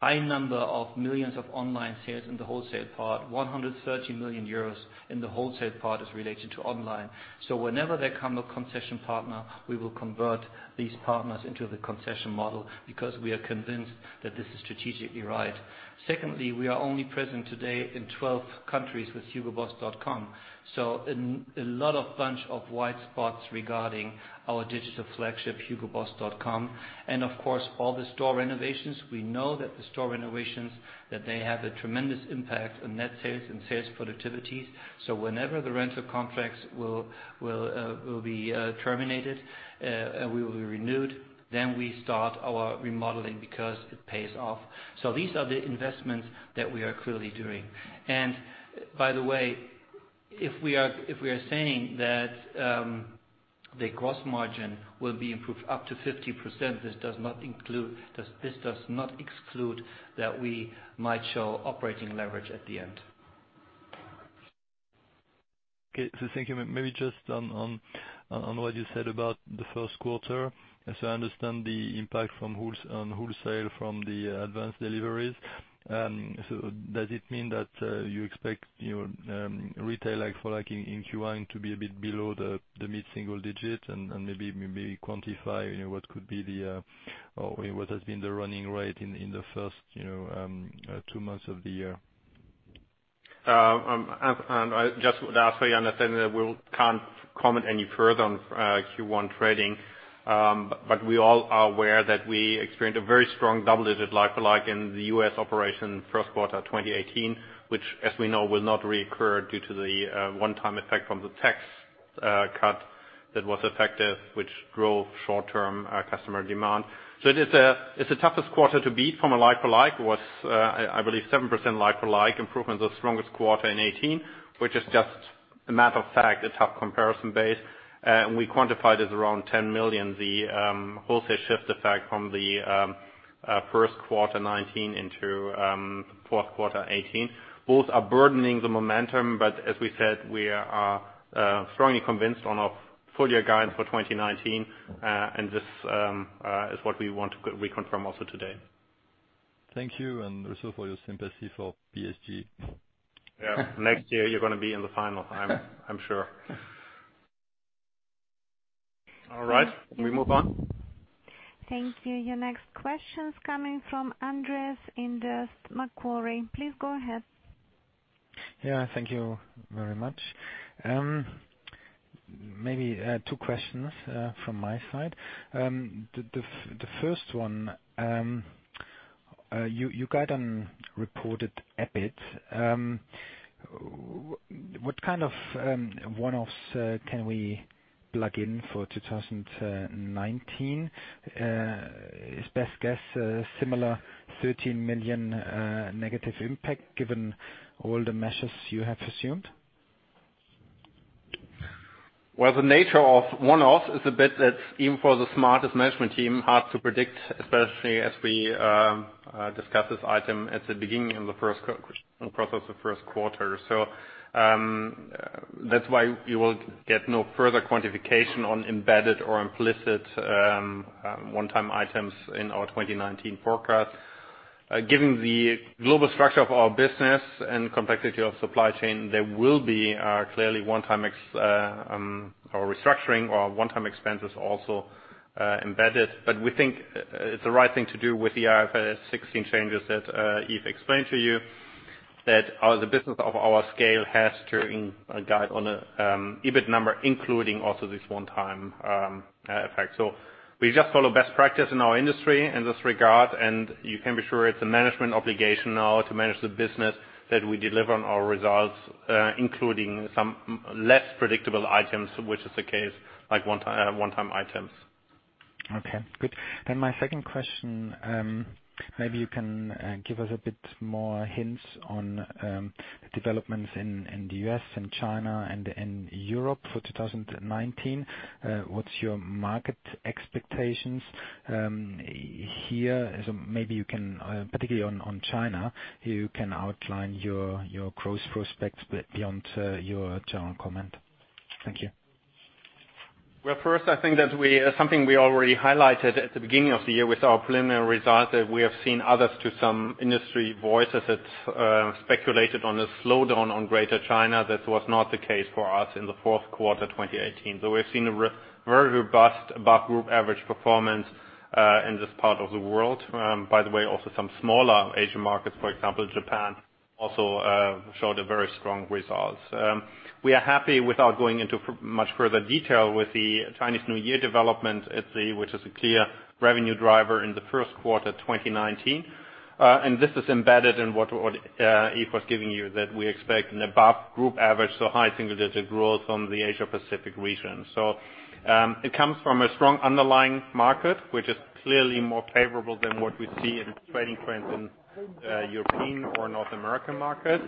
Speaker 4: high number of millions of online sales in the wholesale part, 130 million euros in the wholesale part is related to online. Whenever there come a concession partner, we will convert these partners into the concession model because we are convinced that this is strategically right. Secondly, we are only present today in 12 countries with hugoboss.com. A lot of bunch of white spots regarding our digital flagship, hugoboss.com. Of course, all the store renovations. We know that the store renovations, that they have a tremendous impact on net sales and sales productivities. Whenever the rental contracts will be terminated and will be renewed, then we start our remodeling because it pays off. These are the investments that we are clearly doing. By the way, if we are saying that the gross margin will be improved up to 50%, this does not exclude that we might show operating leverage at the end.
Speaker 5: Okay. Thank you. Maybe just on what you said about the first quarter. I understand the impact on wholesale from the advanced deliveries. Does it mean that you expect your retail like-for-like in Q1 to be a bit below the mid single digit? Maybe quantify what has been the running rate in the first two months of the year.
Speaker 3: Just as you understand that we can't comment any further on Q1 trading. We all are aware that we experienced a very strong double-digit like-for-like in the U.S. operation first quarter 2018, which as we know, will not reoccur due to the one-time effect from the tax cut that was effective, which drove short-term customer demand. It is the toughest quarter to beat from a like-for-like, was I believe, 7% like-for-like improvement, the strongest quarter in 2018, which is just a matter of fact, a tough comparison base. We quantified as around 10 million the wholesale shift effect from the first quarter 2019 into fourth quarter 2018. Both are burdening the momentum, but as we said, we are strongly convinced on our full-year guide for 2019. This is what we want to reconfirm also today.
Speaker 5: Thank you, and also for your sympathy for PSG.
Speaker 3: Yeah. Next year you're gonna be in the final, I'm sure. All right. We move on.
Speaker 1: Thank you. Your next question's coming from Andreas in the Macquarie. Please go ahead.
Speaker 6: Thank you very much. Maybe two questions from my side. The first one, your guide on reported EBIT. What kind of one-offs can we plug in for 2019? Is best guess a similar 13 million negative impact given all the measures you have assumed?
Speaker 3: The nature of one-offs is a bit that's, even for the smartest management team, hard to predict, especially as we discuss this item at the beginning in the process of first quarter. That is why you will get no further quantification on embedded or implicit one-time items in our 2019 forecast. Given the global structure of our business and complexity of supply chain, there will be clearly one-time or restructuring or one-time expenses also embedded. We think it's the right thing to do with the IFRS 16 changes that Yves explained to you, that as a business of our scale has to guide on a EBIT number, including also this one-time effect. We just follow best practice in our industry in this regard, and you can be sure it's a management obligation now to manage the business that we deliver on our results, including some less predictable items, which is the case, like one-time items.
Speaker 6: Okay, good. My second question, maybe you can give us a bit more hints on developments in the U.S. and China and in Europe for 2019. What's your market expectations here? Maybe you can, particularly on China, you can outline your growth prospects beyond your general comment. Thank you.
Speaker 3: Well, first, I think that something we already highlighted at the beginning of the year with our preliminary results, that we have seen others to some industry voices that speculated on a slowdown on Greater China. That was not the case for us in the fourth quarter 2018. We've seen a very robust above group average performance in this part of the world. By the way, also some smaller Asian markets, for example, Japan also showed very strong results. We are happy without going into much further detail with the Chinese New Year development, which is a clear revenue driver in the first quarter 2019. This is embedded in what Yves was giving you, that we expect an above group average, high single-digit growth from the Asia Pacific region. It comes from a strong underlying market, which is clearly more favorable than what we see in trading trends in European or North American markets.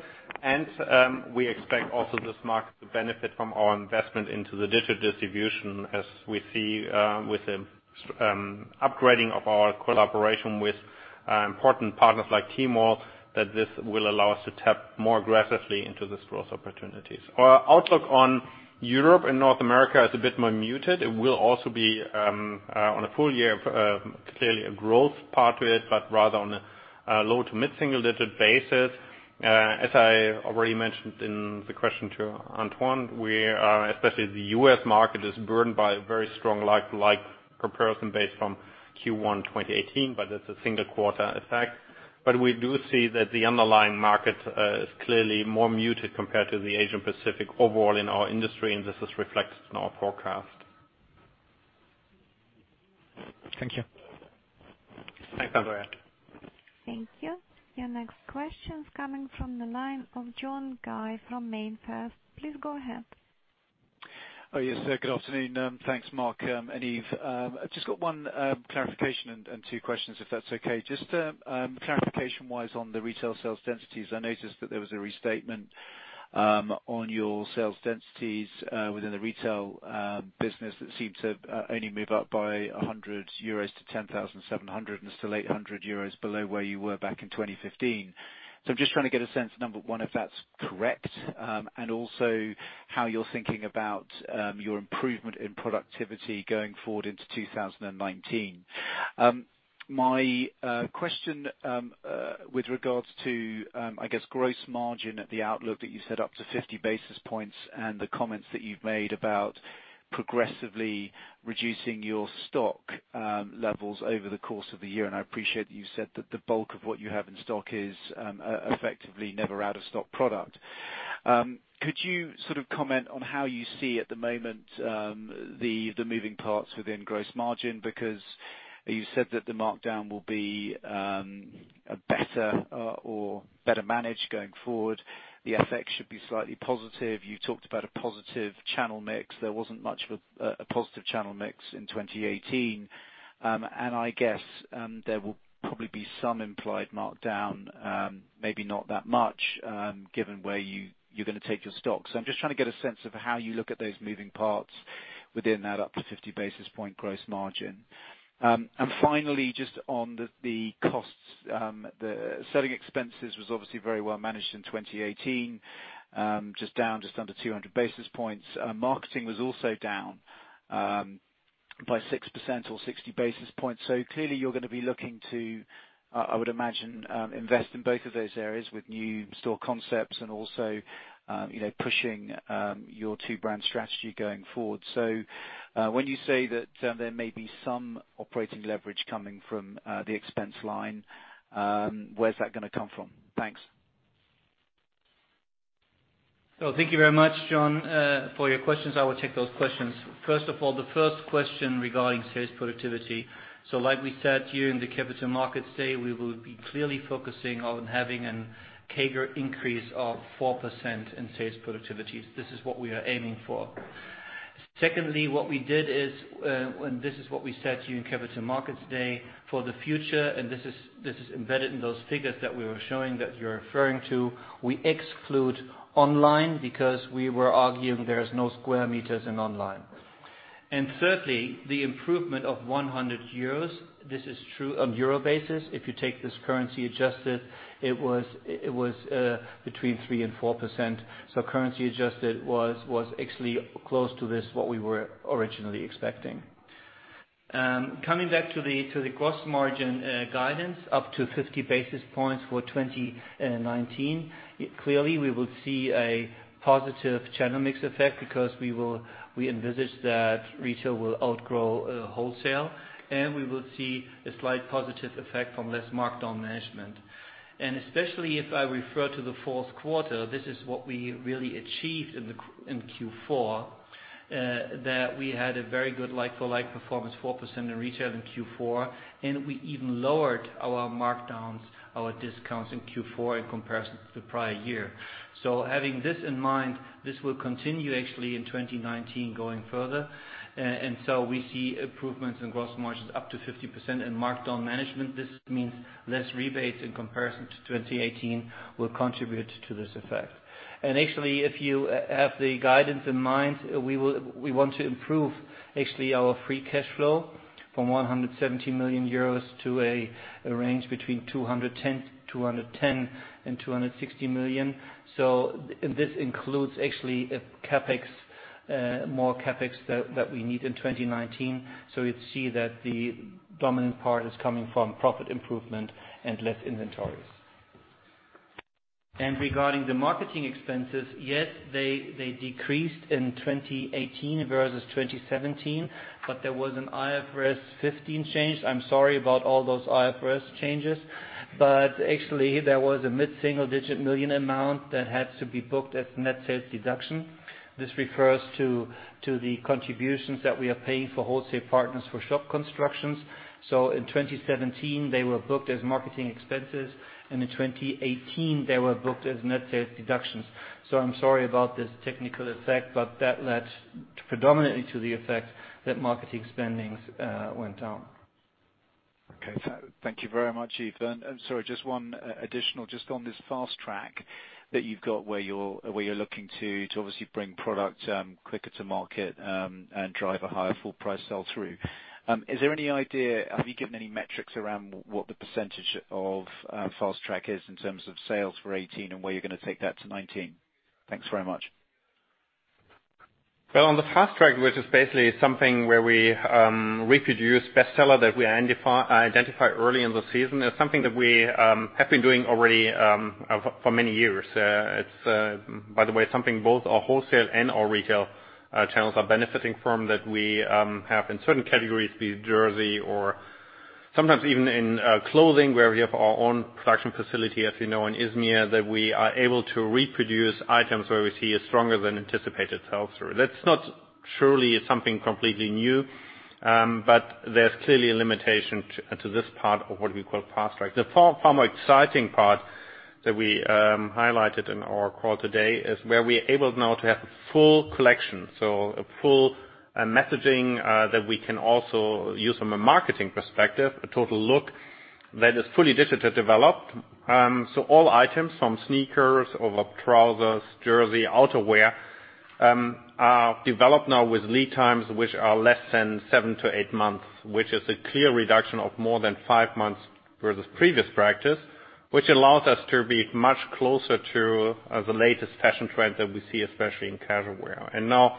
Speaker 3: We expect also this market to benefit from our investment into the digital distribution as we see with the upgrading of our collaboration with important partners like Tmall, that this will allow us to tap more aggressively into this growth opportunities. Our outlook on Europe and North America is a bit more muted. It will also be, on a full year, clearly a growth part to it, but rather on a low to mid-single digit basis. As I already mentioned in the question to Antoine, especially the U.S. market is burdened by a very strong like-for-like comparison base from Q1 2018, but that's a single quarter effect. We do see that the underlying market is clearly more muted compared to the Asia Pacific overall in our industry, and this is reflected in our forecast.
Speaker 6: Thank you.
Speaker 3: Thanks, Andreas.
Speaker 1: Thank you. Your next question's coming from the line of John Guy from MainFirst. Please go ahead.
Speaker 7: Yes, good afternoon. Thanks, Mark and Yves. I've just got one clarification and two questions, if that's okay. Just clarification-wise on the retail sales densities, I noticed that there was a restatement on your sales densities within the retail business that seemed to only move up by 100 euros to 10,700 and still 800 euros below where you were back in 2015. I'm just trying to get a sense, number one, if that's correct, and also how you're thinking about your improvement in productivity going forward into 2019. My question with regards to, I guess, gross margin at the outlook that you set up to 50 basis points and the comments that you've made about progressively reducing your stock levels over the course of the year, and I appreciate that you said that the bulk of what you have in stock is effectively never out of stock product. Could you comment on how you see at the moment, the moving parts within gross margin? Because you said that the markdown will be better managed going forward. The effect should be slightly positive. You talked about a positive channel mix. There wasn't much of a positive channel mix in 2018. I guess, there will probably be some implied markdown, maybe not that much, given where you're going to take your stock. I'm just trying to get a sense of how you look at those moving parts within that up to 50 basis point gross margin. Finally, just on the costs. The selling expenses was obviously very well managed in 2018, just down just under 200 basis points. Marketing was also down by 6% or 60 basis points. Clearly you're going to be looking to, I would imagine, invest in both of those areas with new store concepts and also pushing your two-brand strategy going forward. When you say that there may be some operating leverage coming from the expense line, where's that going to come from? Thanks.
Speaker 4: Thank you very much, John, for your questions. I will take those questions. First of all, the first question regarding sales productivity. Like we said to you in the Capital Markets Day, we will be clearly focusing on having a CAGR increase of 4% in sales productivity. This is what we are aiming for. Secondly, what we did is, and this is what we said to you in Capital Markets Day, for the future, and this is embedded in those figures that we were showing that you're referring to. We exclude online because we were arguing there's no square meters in online. Thirdly, the improvement of 100 euros. This is true on EUR basis. If you take this currency adjusted, it was between 3% and 4%. Currency adjusted was actually close to this, what we were originally expecting. Coming back to the gross margin guidance up to 50 basis points for 2019. We will see a positive channel mix effect because we envisage that retail will outgrow wholesale, and we will see a slight positive effect from less markdown management. Especially if I refer to the fourth quarter, this is what we really achieved in Q4, that we had a very good like-for-like performance, 4% in retail in Q4, and we even lowered our markdowns, our discounts in Q4 in comparison to the prior year. Having this in mind, this will continue actually in 2019 going further. We see improvements in gross margins up to 50% in markdown management. This means less rebates in comparison to 2018 will contribute to this effect. Actually, if you have the guidance in mind, we want to improve actually our free cash flow from 117 million euros to a range between 210 million and 260 million. This includes, actually, more CapEx that we need in 2019. You'd see that the dominant part is coming from profit improvement and less inventories. Regarding the marketing expenses, yes, they decreased in 2018 versus 2017, there was an IFRS 15 change. I'm sorry about all those IFRS changes, but actually there was a mid-single digit million amount that had to be booked as net sales deduction. This refers to the contributions that we are paying for wholesale partners for shop constructions. In 2017, they were booked as marketing expenses, and in 2018, they were booked as net sales deductions. I'm sorry about this technical effect, but that led predominantly to the effect that marketing spendings went down.
Speaker 7: Okay. Thank you very much, Yves. Sorry, just one additional on this fast track that you've got where you're looking to obviously bring product quicker to market, and drive a higher full price sell-through. Have you given any metrics around what the percentage of fast track is in terms of sales for 2018 and where you're going to take that to 2019? Thanks very much.
Speaker 4: Well, on the fast track, which is basically something where we reproduce bestseller that we identify early in the season, is something that we have been doing already for many years. It's, by the way, something both our wholesale and our retail channels are benefiting from that we have in certain categories, be it jersey or sometimes even in clothing where we have our own production facility, as you know, in Izmir, that we are able to reproduce items where we see a stronger than anticipated sell-through. That's not surely something completely new. There's clearly a limitation to this part of what we call fast track. The far more exciting part that we highlighted in our call today is where we are able now to have a full collection. A full messaging, that we can also use from a marketing perspective, a total look that is fully digital developed. All items from sneakers over trousers, jersey, outerwear
Speaker 3: Are developed now with lead times which are less than seven to eight months, which is a clear reduction of more than five months for the previous practice. Which allows us to be much closer to the latest fashion trends that we see, especially in casual wear. Now,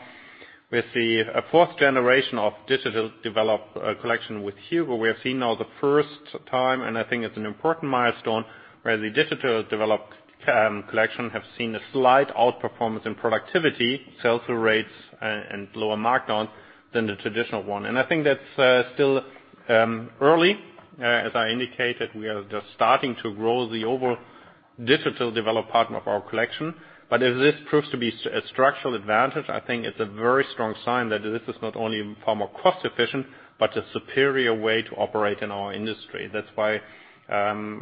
Speaker 3: with the fourth generation of digital developed collection with HUGO, we are seeing now the first time, and I think it's an important milestone, where the digital developed collection have seen a slight outperformance in productivity, sell-through rates and lower markdowns than the traditional one. I think that's still early. As I indicated, we are just starting to grow the overall digital develop part of our collection. If this proves to be a structural advantage, I think it's a very strong sign that this is not only far more cost-efficient, but a superior way to operate in our industry. That's why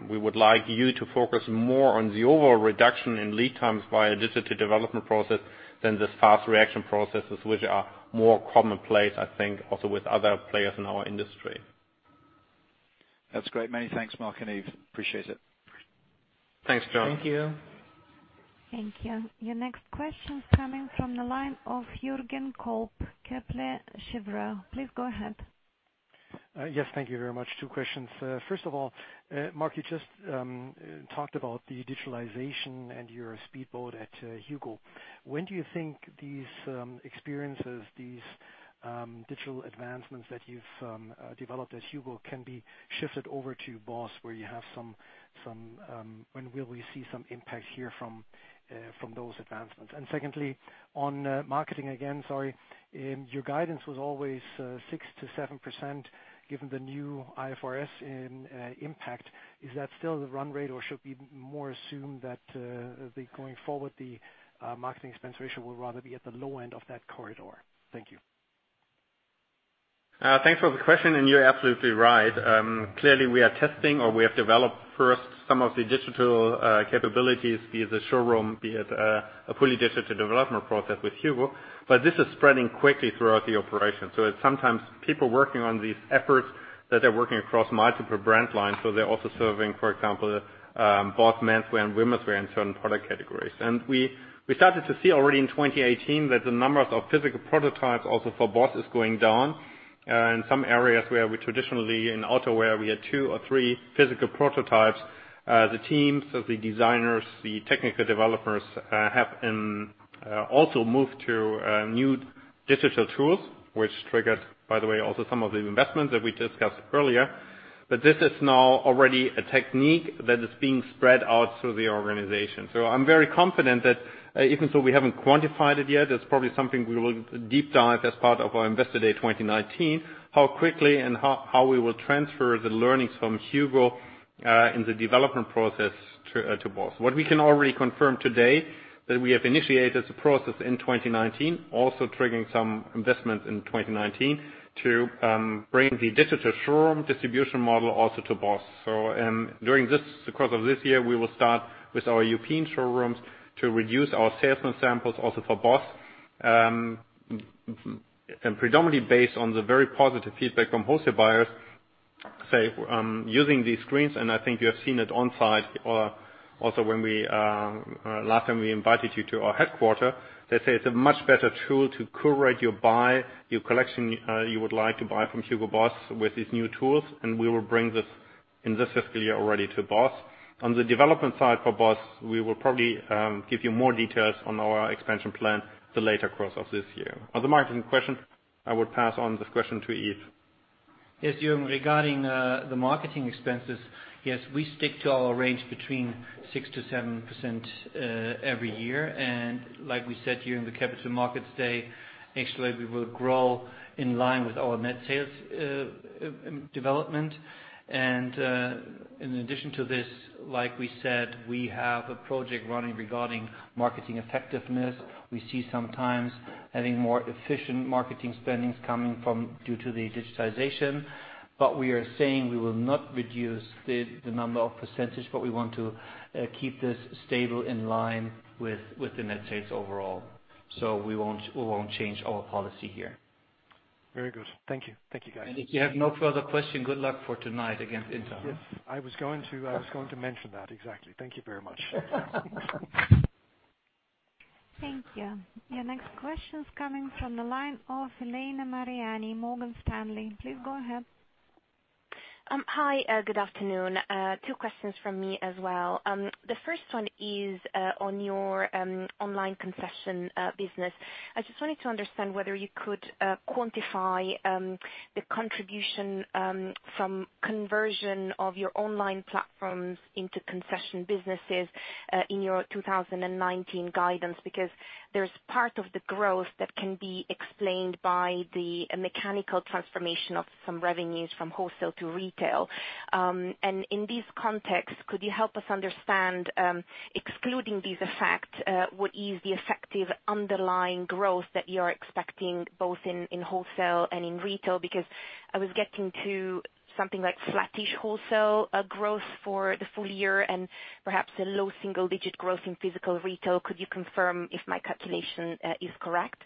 Speaker 3: we would like you to focus more on the overall reduction in lead times via digital development process than these fast reaction processes, which are more commonplace, I think, also with other players in our industry.
Speaker 7: That's great. Many thanks, Mark and Yves. Appreciate it.
Speaker 3: Thanks, John.
Speaker 4: Thank you.
Speaker 1: Thank you. Your next question's coming from the line of Jürgen Kolb, Kepler Cheuvreux. Please go ahead.
Speaker 8: Yes, thank you very much. Two questions. First of all, Mark, you just talked about the digitalization and your speedboat at HUGO. When do you think these experiences, these digital advancements that you've developed at HUGO, can be shifted over to BOSS? When will we see some impact here from those advancements? Secondly, on marketing again, sorry. Your guidance was always 6%-7% given the new IFRS impact. Is that still the run rate or should we more assume that, going forward, the marketing expense ratio will rather be at the low end of that corridor? Thank you.
Speaker 3: Thanks for the question. You're absolutely right. Clearly, we are testing or we have developed first some of the digital capabilities, be it the showroom, be it a fully digital development process with HUGO. This is spreading quickly throughout the operation. It's sometimes people working on these efforts that are working across multiple brand lines. They're also serving, for example, BOSS menswear and womenswear in certain product categories. We started to see already in 2018 that the numbers of physical prototypes also for BOSS is going down in some areas where we traditionally, in outerwear, we had two or three physical prototypes. The teams of the designers, the technical developers, have also moved to new digital tools, which triggered, by the way, also some of the investments that we discussed earlier. This is now already a technique that is being spread out through the organization. I'm very confident that even though we haven't quantified it yet, that's probably something we will deep dive as part of our Investor Day 2019, how quickly and how we will transfer the learnings from HUGO in the development process to BOSS. What we can already confirm today, that we have initiated a process in 2019, also triggering some investments in 2019, to bring the digital showroom distribution model also to BOSS. During the course of this year, we will start with our European showrooms to reduce our salesman samples also for BOSS. Predominantly based on the very positive feedback from wholesale buyers, say, using these screens, and I think you have seen it on-site, also last time we invited you to our headquarters. They say it's a much better tool to curate your buy, your collection you would like to buy from Hugo Boss with these new tools, and we will bring this in this fiscal year already to BOSS. On the development side for BOSS, we will probably give you more details on our expansion plan the later course of this year. On the marketing question, I would pass on this question to Yves.
Speaker 4: Yes, Jürgen. Regarding the marketing expenses, yes, we stick to our range between 6%-7% every year. Like we said during the Capital Markets Day, next year we will grow in line with our net sales development. In addition to this, like we said, we have a project running regarding marketing effectiveness. We see sometimes having more efficient marketing spendings coming from due to the digitization. We are saying we will not reduce the number of percentage, but we want to keep this stable in line with the net sales overall. We won't change our policy here.
Speaker 8: Very good. Thank you. Thank you, guys.
Speaker 4: If you have no further question, good luck for tonight against Inter.
Speaker 8: Yes. I was going to mention that. Exactly. Thank you very much.
Speaker 1: Thank you. Your next question's coming from the line of Elena Mariani, Morgan Stanley. Please go ahead.
Speaker 9: Hi. Good afternoon. Two questions from me as well. The first one is on your online concession business. I just wanted to understand whether you could quantify the contribution from conversion of your online platforms into concession businesses in your 2019 guidance, because there's part of the growth that can be explained by the mechanical transformation of some revenues from wholesale to retail. In this context, could you help us understand, excluding this effect, what is the effective underlying growth that you are expecting both in wholesale and in retail? Because I was getting to something like flattish wholesale growth for the full year and perhaps a low single-digit growth in physical retail. Could you confirm if my calculation is correct?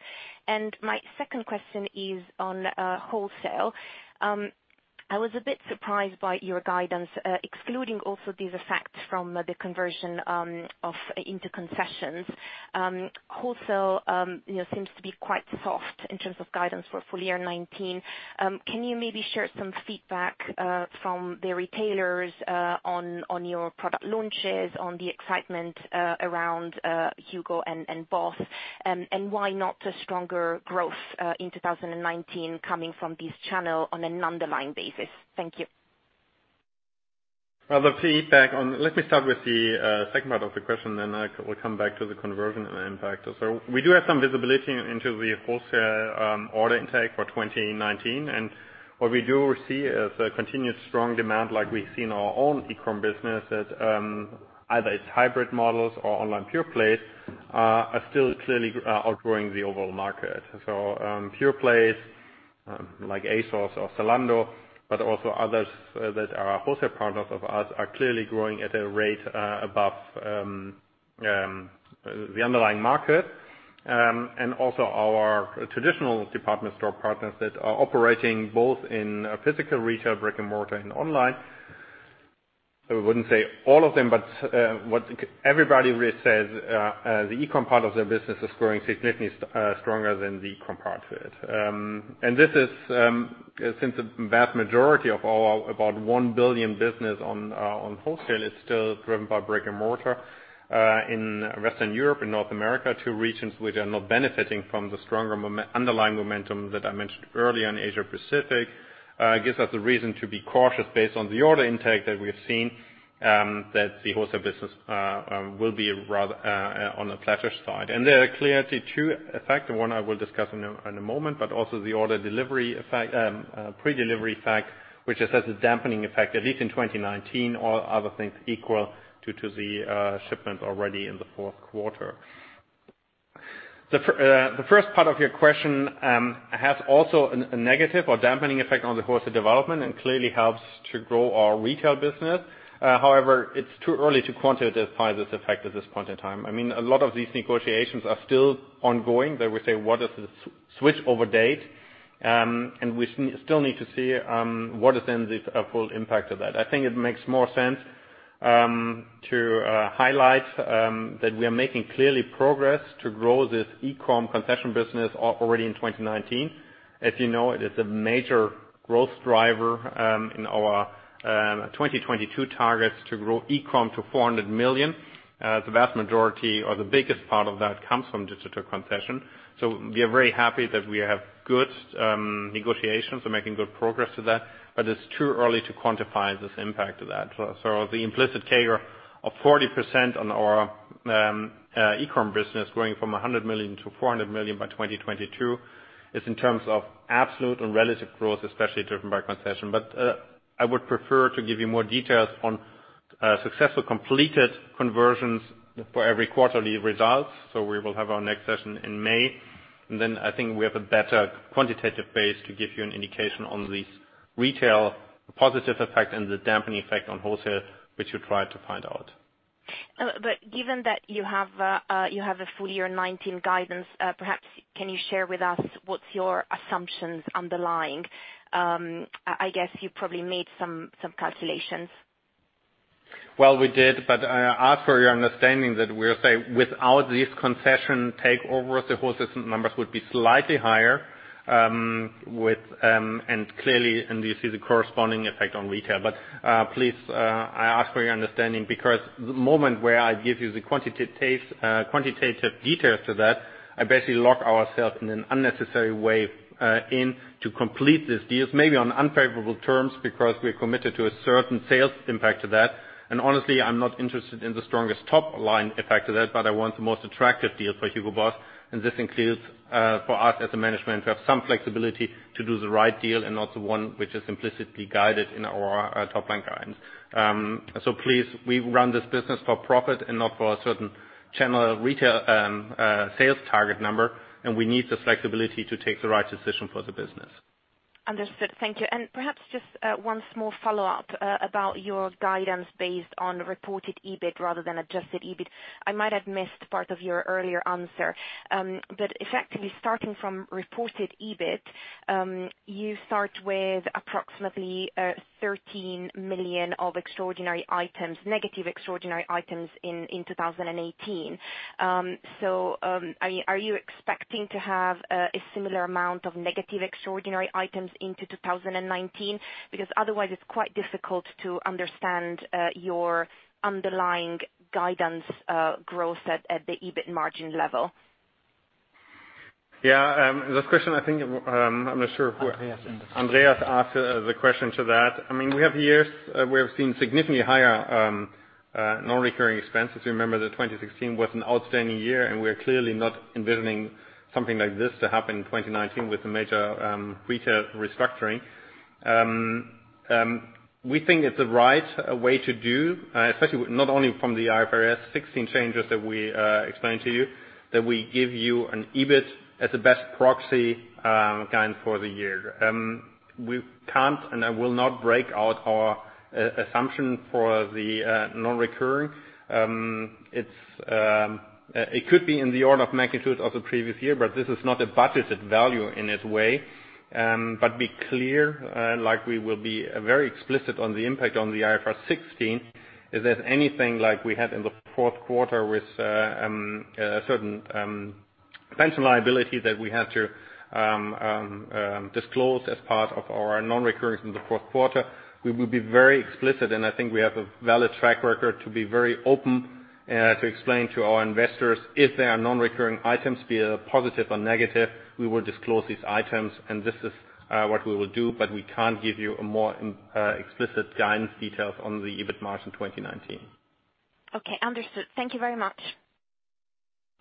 Speaker 9: My second question is on wholesale. I was a bit surprised by your guidance, excluding also these effects from the conversion into concessions. Wholesale seems to be quite soft in terms of guidance for full year 2019. Can you maybe share some feedback from the retailers on your product launches, on the excitement around HUGO and BOSS? Why not a stronger growth in 2019 coming from this channel on an underlying basis? Thank you.
Speaker 3: Let me start with the second part of the question, I will come back to the conversion and the impact. We do have some visibility into the wholesale order intake for 2019. What we do see is a continued strong demand, like we see in our own e-com business, that either its hybrid models or online pure plays, are still clearly outgrowing the overall market. Pure plays, like ASOS or Zalando, but also others that are wholesale partners of us, are clearly growing at a rate above the underlying market. Also our traditional department store partners that are operating both in physical retail, brick and mortar, and online. I wouldn't say all of them, but what everybody really says, the e-com part of their business is growing significantly stronger than the e-com part to it. This is, since the vast majority of our about 1 billion business on wholesale is still driven by brick and mortar in Western Europe and North America, two regions which are not benefiting from the stronger underlying momentum that I mentioned earlier in Asia Pacific, gives us a reason to be cautious based on the order intake that we've seen, that the wholesale business will be on the flatter side. And there are clearly two effects, the one I will discuss in a moment, but also the order pre-delivery effect, which has a dampening effect, at least in 2019, all other things equal due to the shipment already in the fourth quarter. The first part of your question has also a negative or dampening effect on the course of development and clearly helps to grow our retail business. It's too early to quantify this effect at this point in time. A lot of these negotiations are still ongoing that we say, "What is the switch over date?" We still need to see what is then the full impact of that. I think it makes more sense to highlight that we are making clearly progress to grow this e-com concession business already in 2019. As you know, it is a major growth driver in our 2022 targets to grow e-com to 400 million. The vast majority or the biggest part of that comes from digital concession. We are very happy that we have good negotiations, we're making good progress to that, but it's too early to quantify this impact of that. The implicit CAGR of 40% on our e-com business growing from 100 million to 400 million by 2022 is in terms of absolute and relative growth, especially driven by concession. I would prefer to give you more details on successful completed conversions for every quarterly results. We will have our next session in May, I think we have a better quantitative base to give you an indication on this retail positive effect and the dampening effect on wholesale, which you try to find out.
Speaker 9: Given that you have a full year 2019 guidance, perhaps can you share with us what's your assumptions underlying? I guess you probably made some calculations.
Speaker 3: Well, we did, I ask for your understanding that we'll say, without this concession takeover, the wholesale numbers would be slightly higher. Clearly, you see the corresponding effect on retail. Please, I ask for your understanding, because the moment where I give you the quantitative details to that, I basically lock ourselves in an unnecessary way into complete this deals. Maybe on unfavorable terms, because we're committed to a certain sales impact to that. Honestly, I'm not interested in the strongest top line effect to that, but I want the most attractive deal for Hugo Boss, and this includes, for us as a management, to have some flexibility to do the right deal and not the one which is implicitly guided in our top-line guidance. Please, we run this business for profit and not for a certain channel retail sales target number, we need the flexibility to take the right decision for the business.
Speaker 9: Understood. Thank you. Perhaps just one small follow-up about your guidance based on reported EBIT rather than adjusted EBIT. I might have missed part of your earlier answer. Effectively, starting from reported EBIT, you start with approximately 13 million of extraordinary items, negative extraordinary items in 2018. Are you expecting to have a similar amount of negative extraordinary items into 2019? Otherwise, it's quite difficult to understand your underlying guidance growth at the EBIT margin level.
Speaker 3: This question, I think, I'm not sure who-
Speaker 2: Andreas.
Speaker 3: Andreas asked the question to that. We have seen significantly higher non-recurring expenses. Remember that 2016 was an outstanding year, and we're clearly not envisioning something like this to happen in 2019 with a major retail restructuring. We think it's the right way to do, especially not only from the IFRS 16 changes that we explained to you, that we give you an EBIT as the best proxy guidance for the year. We can't, and I will not break out our assumption for the non-recurring. It could be in the order of magnitude of the previous year, but this is not a budgeted value in its way. Be clear, like we will be very explicit on the impact on the IFRS 16, is that anything like we had in the fourth quarter with certain pension liability that we had to disclose as part of our non-recurring from the fourth quarter, we will be very explicit, and I think we have a valid track record to be very open to explain to our investors if there are non-recurring items, be it positive or negative, we will disclose these items, and this is what we will do. We can't give you a more explicit guidance details on the EBIT margin 2019.
Speaker 9: Okay, understood. Thank you very much.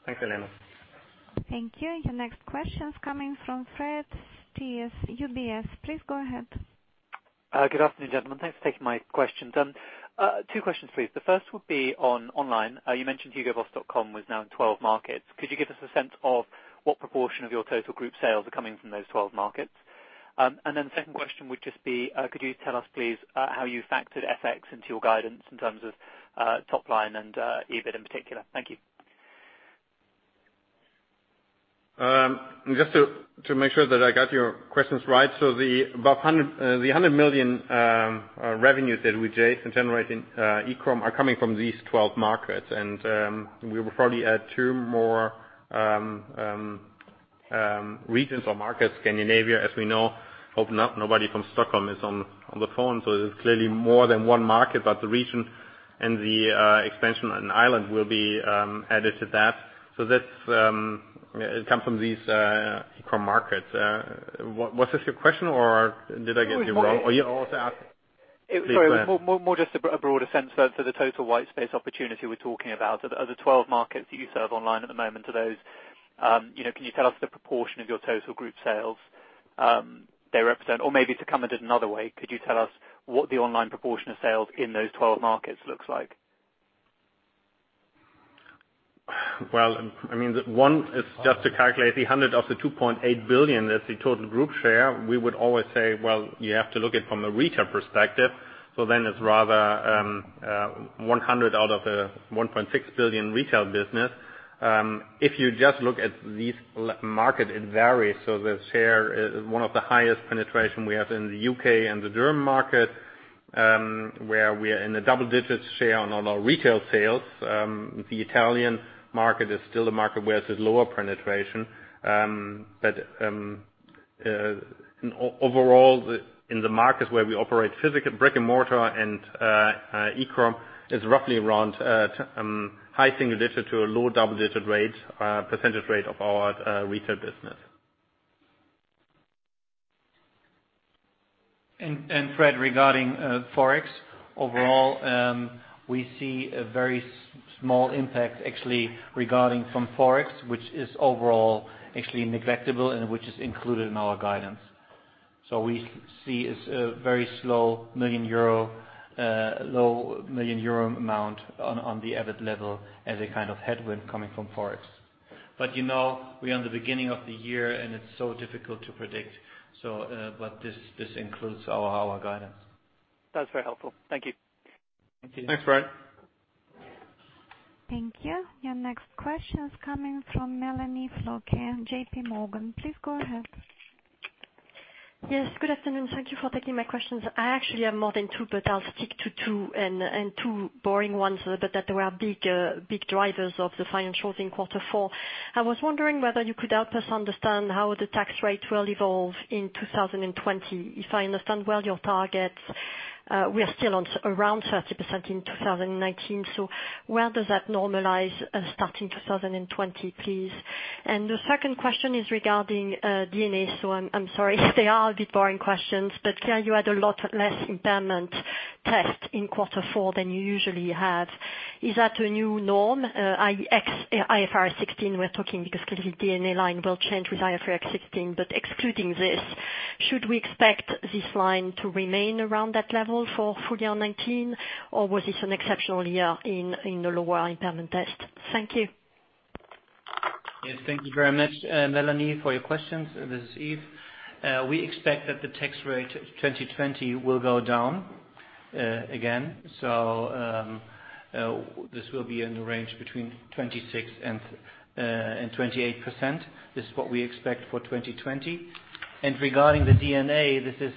Speaker 3: Thanks, Elena.
Speaker 1: Thank you. Your next question's coming from Fred Speirs, UBS. Please go ahead.
Speaker 10: Good afternoon, gentlemen. Thanks for taking my questions. Two questions, please. The first would be on online. You mentioned hugoboss.com was now in 12 markets. Could you give us a sense of what proportion of your total group sales are coming from those 12 markets? The second question would just be, could you tell us, please, how you factored FX into your guidance in terms of top line and EBIT in particular? Thank you.
Speaker 3: Just to make sure that I got your questions right. The 100 million revenues that we generate in e-com are coming from these 12 markets, and we will probably add two more regions or markets, Scandinavia, as we know. Hope nobody from Stockholm is on the phone. It is clearly more than one market, but the region and the expansion on Ireland will be added to that. It comes from these e-com markets. Was this your question, or did I get you wrong?
Speaker 10: Sorry. More just a broader sense for the total white space opportunity we are talking about. Of the 12 markets that you serve online at the moment, can you tell us the proportion of your total group sales they represent? Or maybe to come at it another way, could you tell us what the online proportion of sales in those 12 markets looks like?
Speaker 3: One is just to calculate the 100 of the 2.8 billion as the total group share. We would always say, you have to look at it from a retail perspective. It is rather 100 out of the 1.6 billion retail business. If you just look at these markets, it varies. The share, one of the highest penetration we have in the U.K. and the German market, where we are in a double-digit share on all our retail sales. The Italian market is still a market where there is lower penetration. Overall, in the markets where we operate physical, brick and mortar and e-com is roughly around high single-digit to a low double-digit percentage rate of our retail business.
Speaker 4: Fred, regarding Forex, overall, we see a very small impact actually regarding Forex, which is overall actually neglectable and which is included in our guidance. We see a very low million euro amount on the EBIT level as a kind of headwind coming from Forex. We are in the beginning of the year and it is so difficult to predict. This includes our guidance.
Speaker 10: That's very helpful. Thank you.
Speaker 4: Thank you.
Speaker 3: Thanks, Fred.
Speaker 1: Thank you. Your next question is coming from Mélanie Flouquet at JP Morgan. Please go ahead.
Speaker 11: Yes, good afternoon. Thank you for taking my questions. I actually have more than two, but I'll stick to two, and two boring ones, but that were big drivers of the financials in quarter four. I was wondering whether you could help us understand how the tax rate will evolve in 2020. If I understand well your targets, we are still around 30% in 2019. Where does that normalize starting 2020, please? The second question is regarding D&A. I'm sorry if they are a bit boring questions, but clear you had a lot less impairment test in quarter four than you usually have. Is that a new norm? IFRS 16, we're talking, because clearly D&A line will change with IFRS 16. Excluding this, should we expect this line to remain around that level for full year 2019? Was this an exceptional year in the lower impairment test? Thank you.
Speaker 4: Yes. Thank you very much, Mélanie, for your questions. This is Yves. We expect that the tax rate 2020 will go down again. This will be in the range between 26% and 28%. This is what we expect for 2020. Regarding the D&A, this is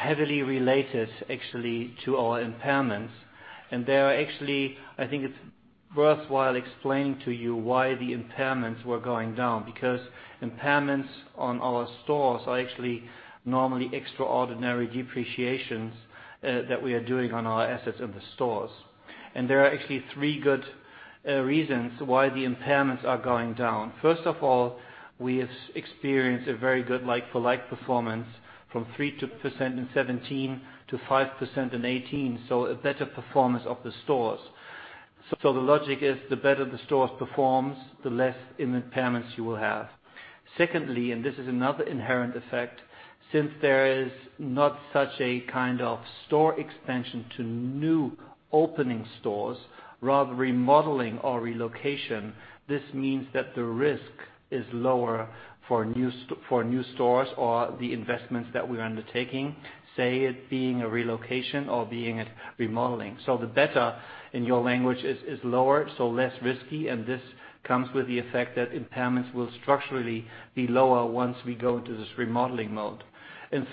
Speaker 4: heavily related actually to our impairments. I think it's worthwhile explaining to you why the impairments were going down, because impairments on our stores are actually normally extraordinary depreciations that we are doing on our assets in the stores. There are actually three good reasons why the impairments are going down. First of all, we have experienced a very good like-for-like performance from 3% in 2017 to 5% in 2018. So a better performance of the stores. So the logic is, the better the stores performs, the less impairments you will have. Secondly, this is another inherent effect, since there is not such a store expansion to new opening stores, rather remodeling or relocation, this means that the risk is lower for new stores or the investments that we're undertaking, say it being a relocation or being a remodeling. The better, in your language, is lower, less risky, and this comes with the effect that impairments will structurally be lower once we go into this remodeling mode.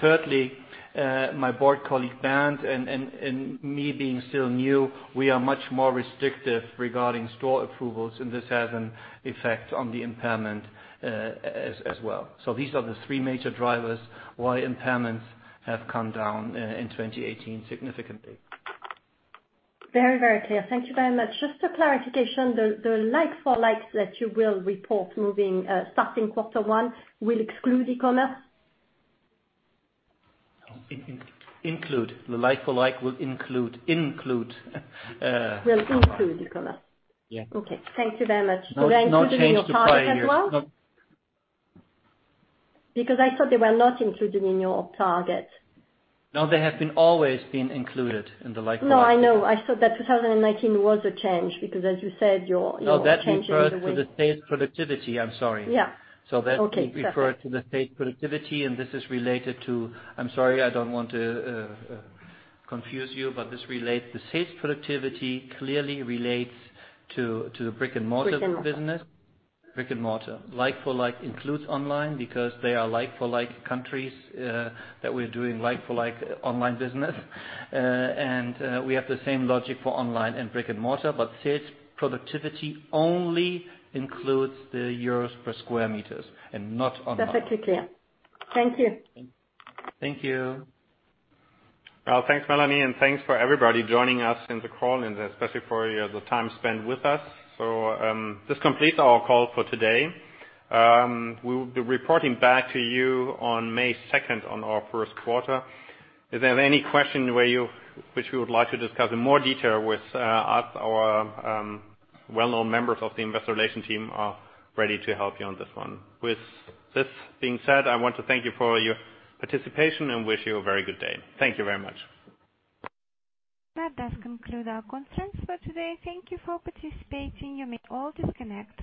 Speaker 4: Thirdly, my board colleague, Bernd, and me being still new, we are much more restrictive regarding store approvals, and this has an effect on the impairment as well. These are the three major drivers why impairments have come down in 2018 significantly.
Speaker 11: Very clear. Thank you very much. Just a clarification, the like-for-like that you will report moving, starting quarter one, will exclude e-commerce?
Speaker 4: Include. The like-for-like will include e-commerce.
Speaker 11: Will include e-commerce?
Speaker 4: Yeah.
Speaker 11: Okay. Thank you very much.
Speaker 4: No change to prior year.
Speaker 11: Will they include in your target as well? I thought they were not included in your target.
Speaker 4: No, they have always been included in the like-for-like.
Speaker 11: No, I know. I thought that 2019 was a change because as you said, you're changing the way.
Speaker 4: No, that refers to the sales productivity. I'm sorry.
Speaker 11: Yeah. Okay.
Speaker 4: That refers to the sales productivity, and this is related to I'm sorry, I don't want to confuse you, the sales productivity clearly relates to the brick-and-mortar business.
Speaker 11: Brick and mortar.
Speaker 4: Brick-and-mortar. Like-for-like includes online because they are like-for-like countries, that we're doing like-for-like online business. We have the same logic for online and brick-and-mortar, Sales productivity only includes the EUR per sq m and not online.
Speaker 11: Perfectly clear. Thank you.
Speaker 4: Thank you.
Speaker 3: Well, thanks Mélanie, Thanks for everybody joining us in the call and especially for the time spent with us. This completes our call for today. We will be reporting back to you on May 2nd on our first quarter. If there are any questions which you would like to discuss in more detail with us, our well-known members of the Investor Relations team are ready to help you on this one. With this being said, I want to thank you for your participation and wish you a very good day. Thank you very much.
Speaker 1: That does conclude our conference for today. Thank you for participating. You may all disconnect.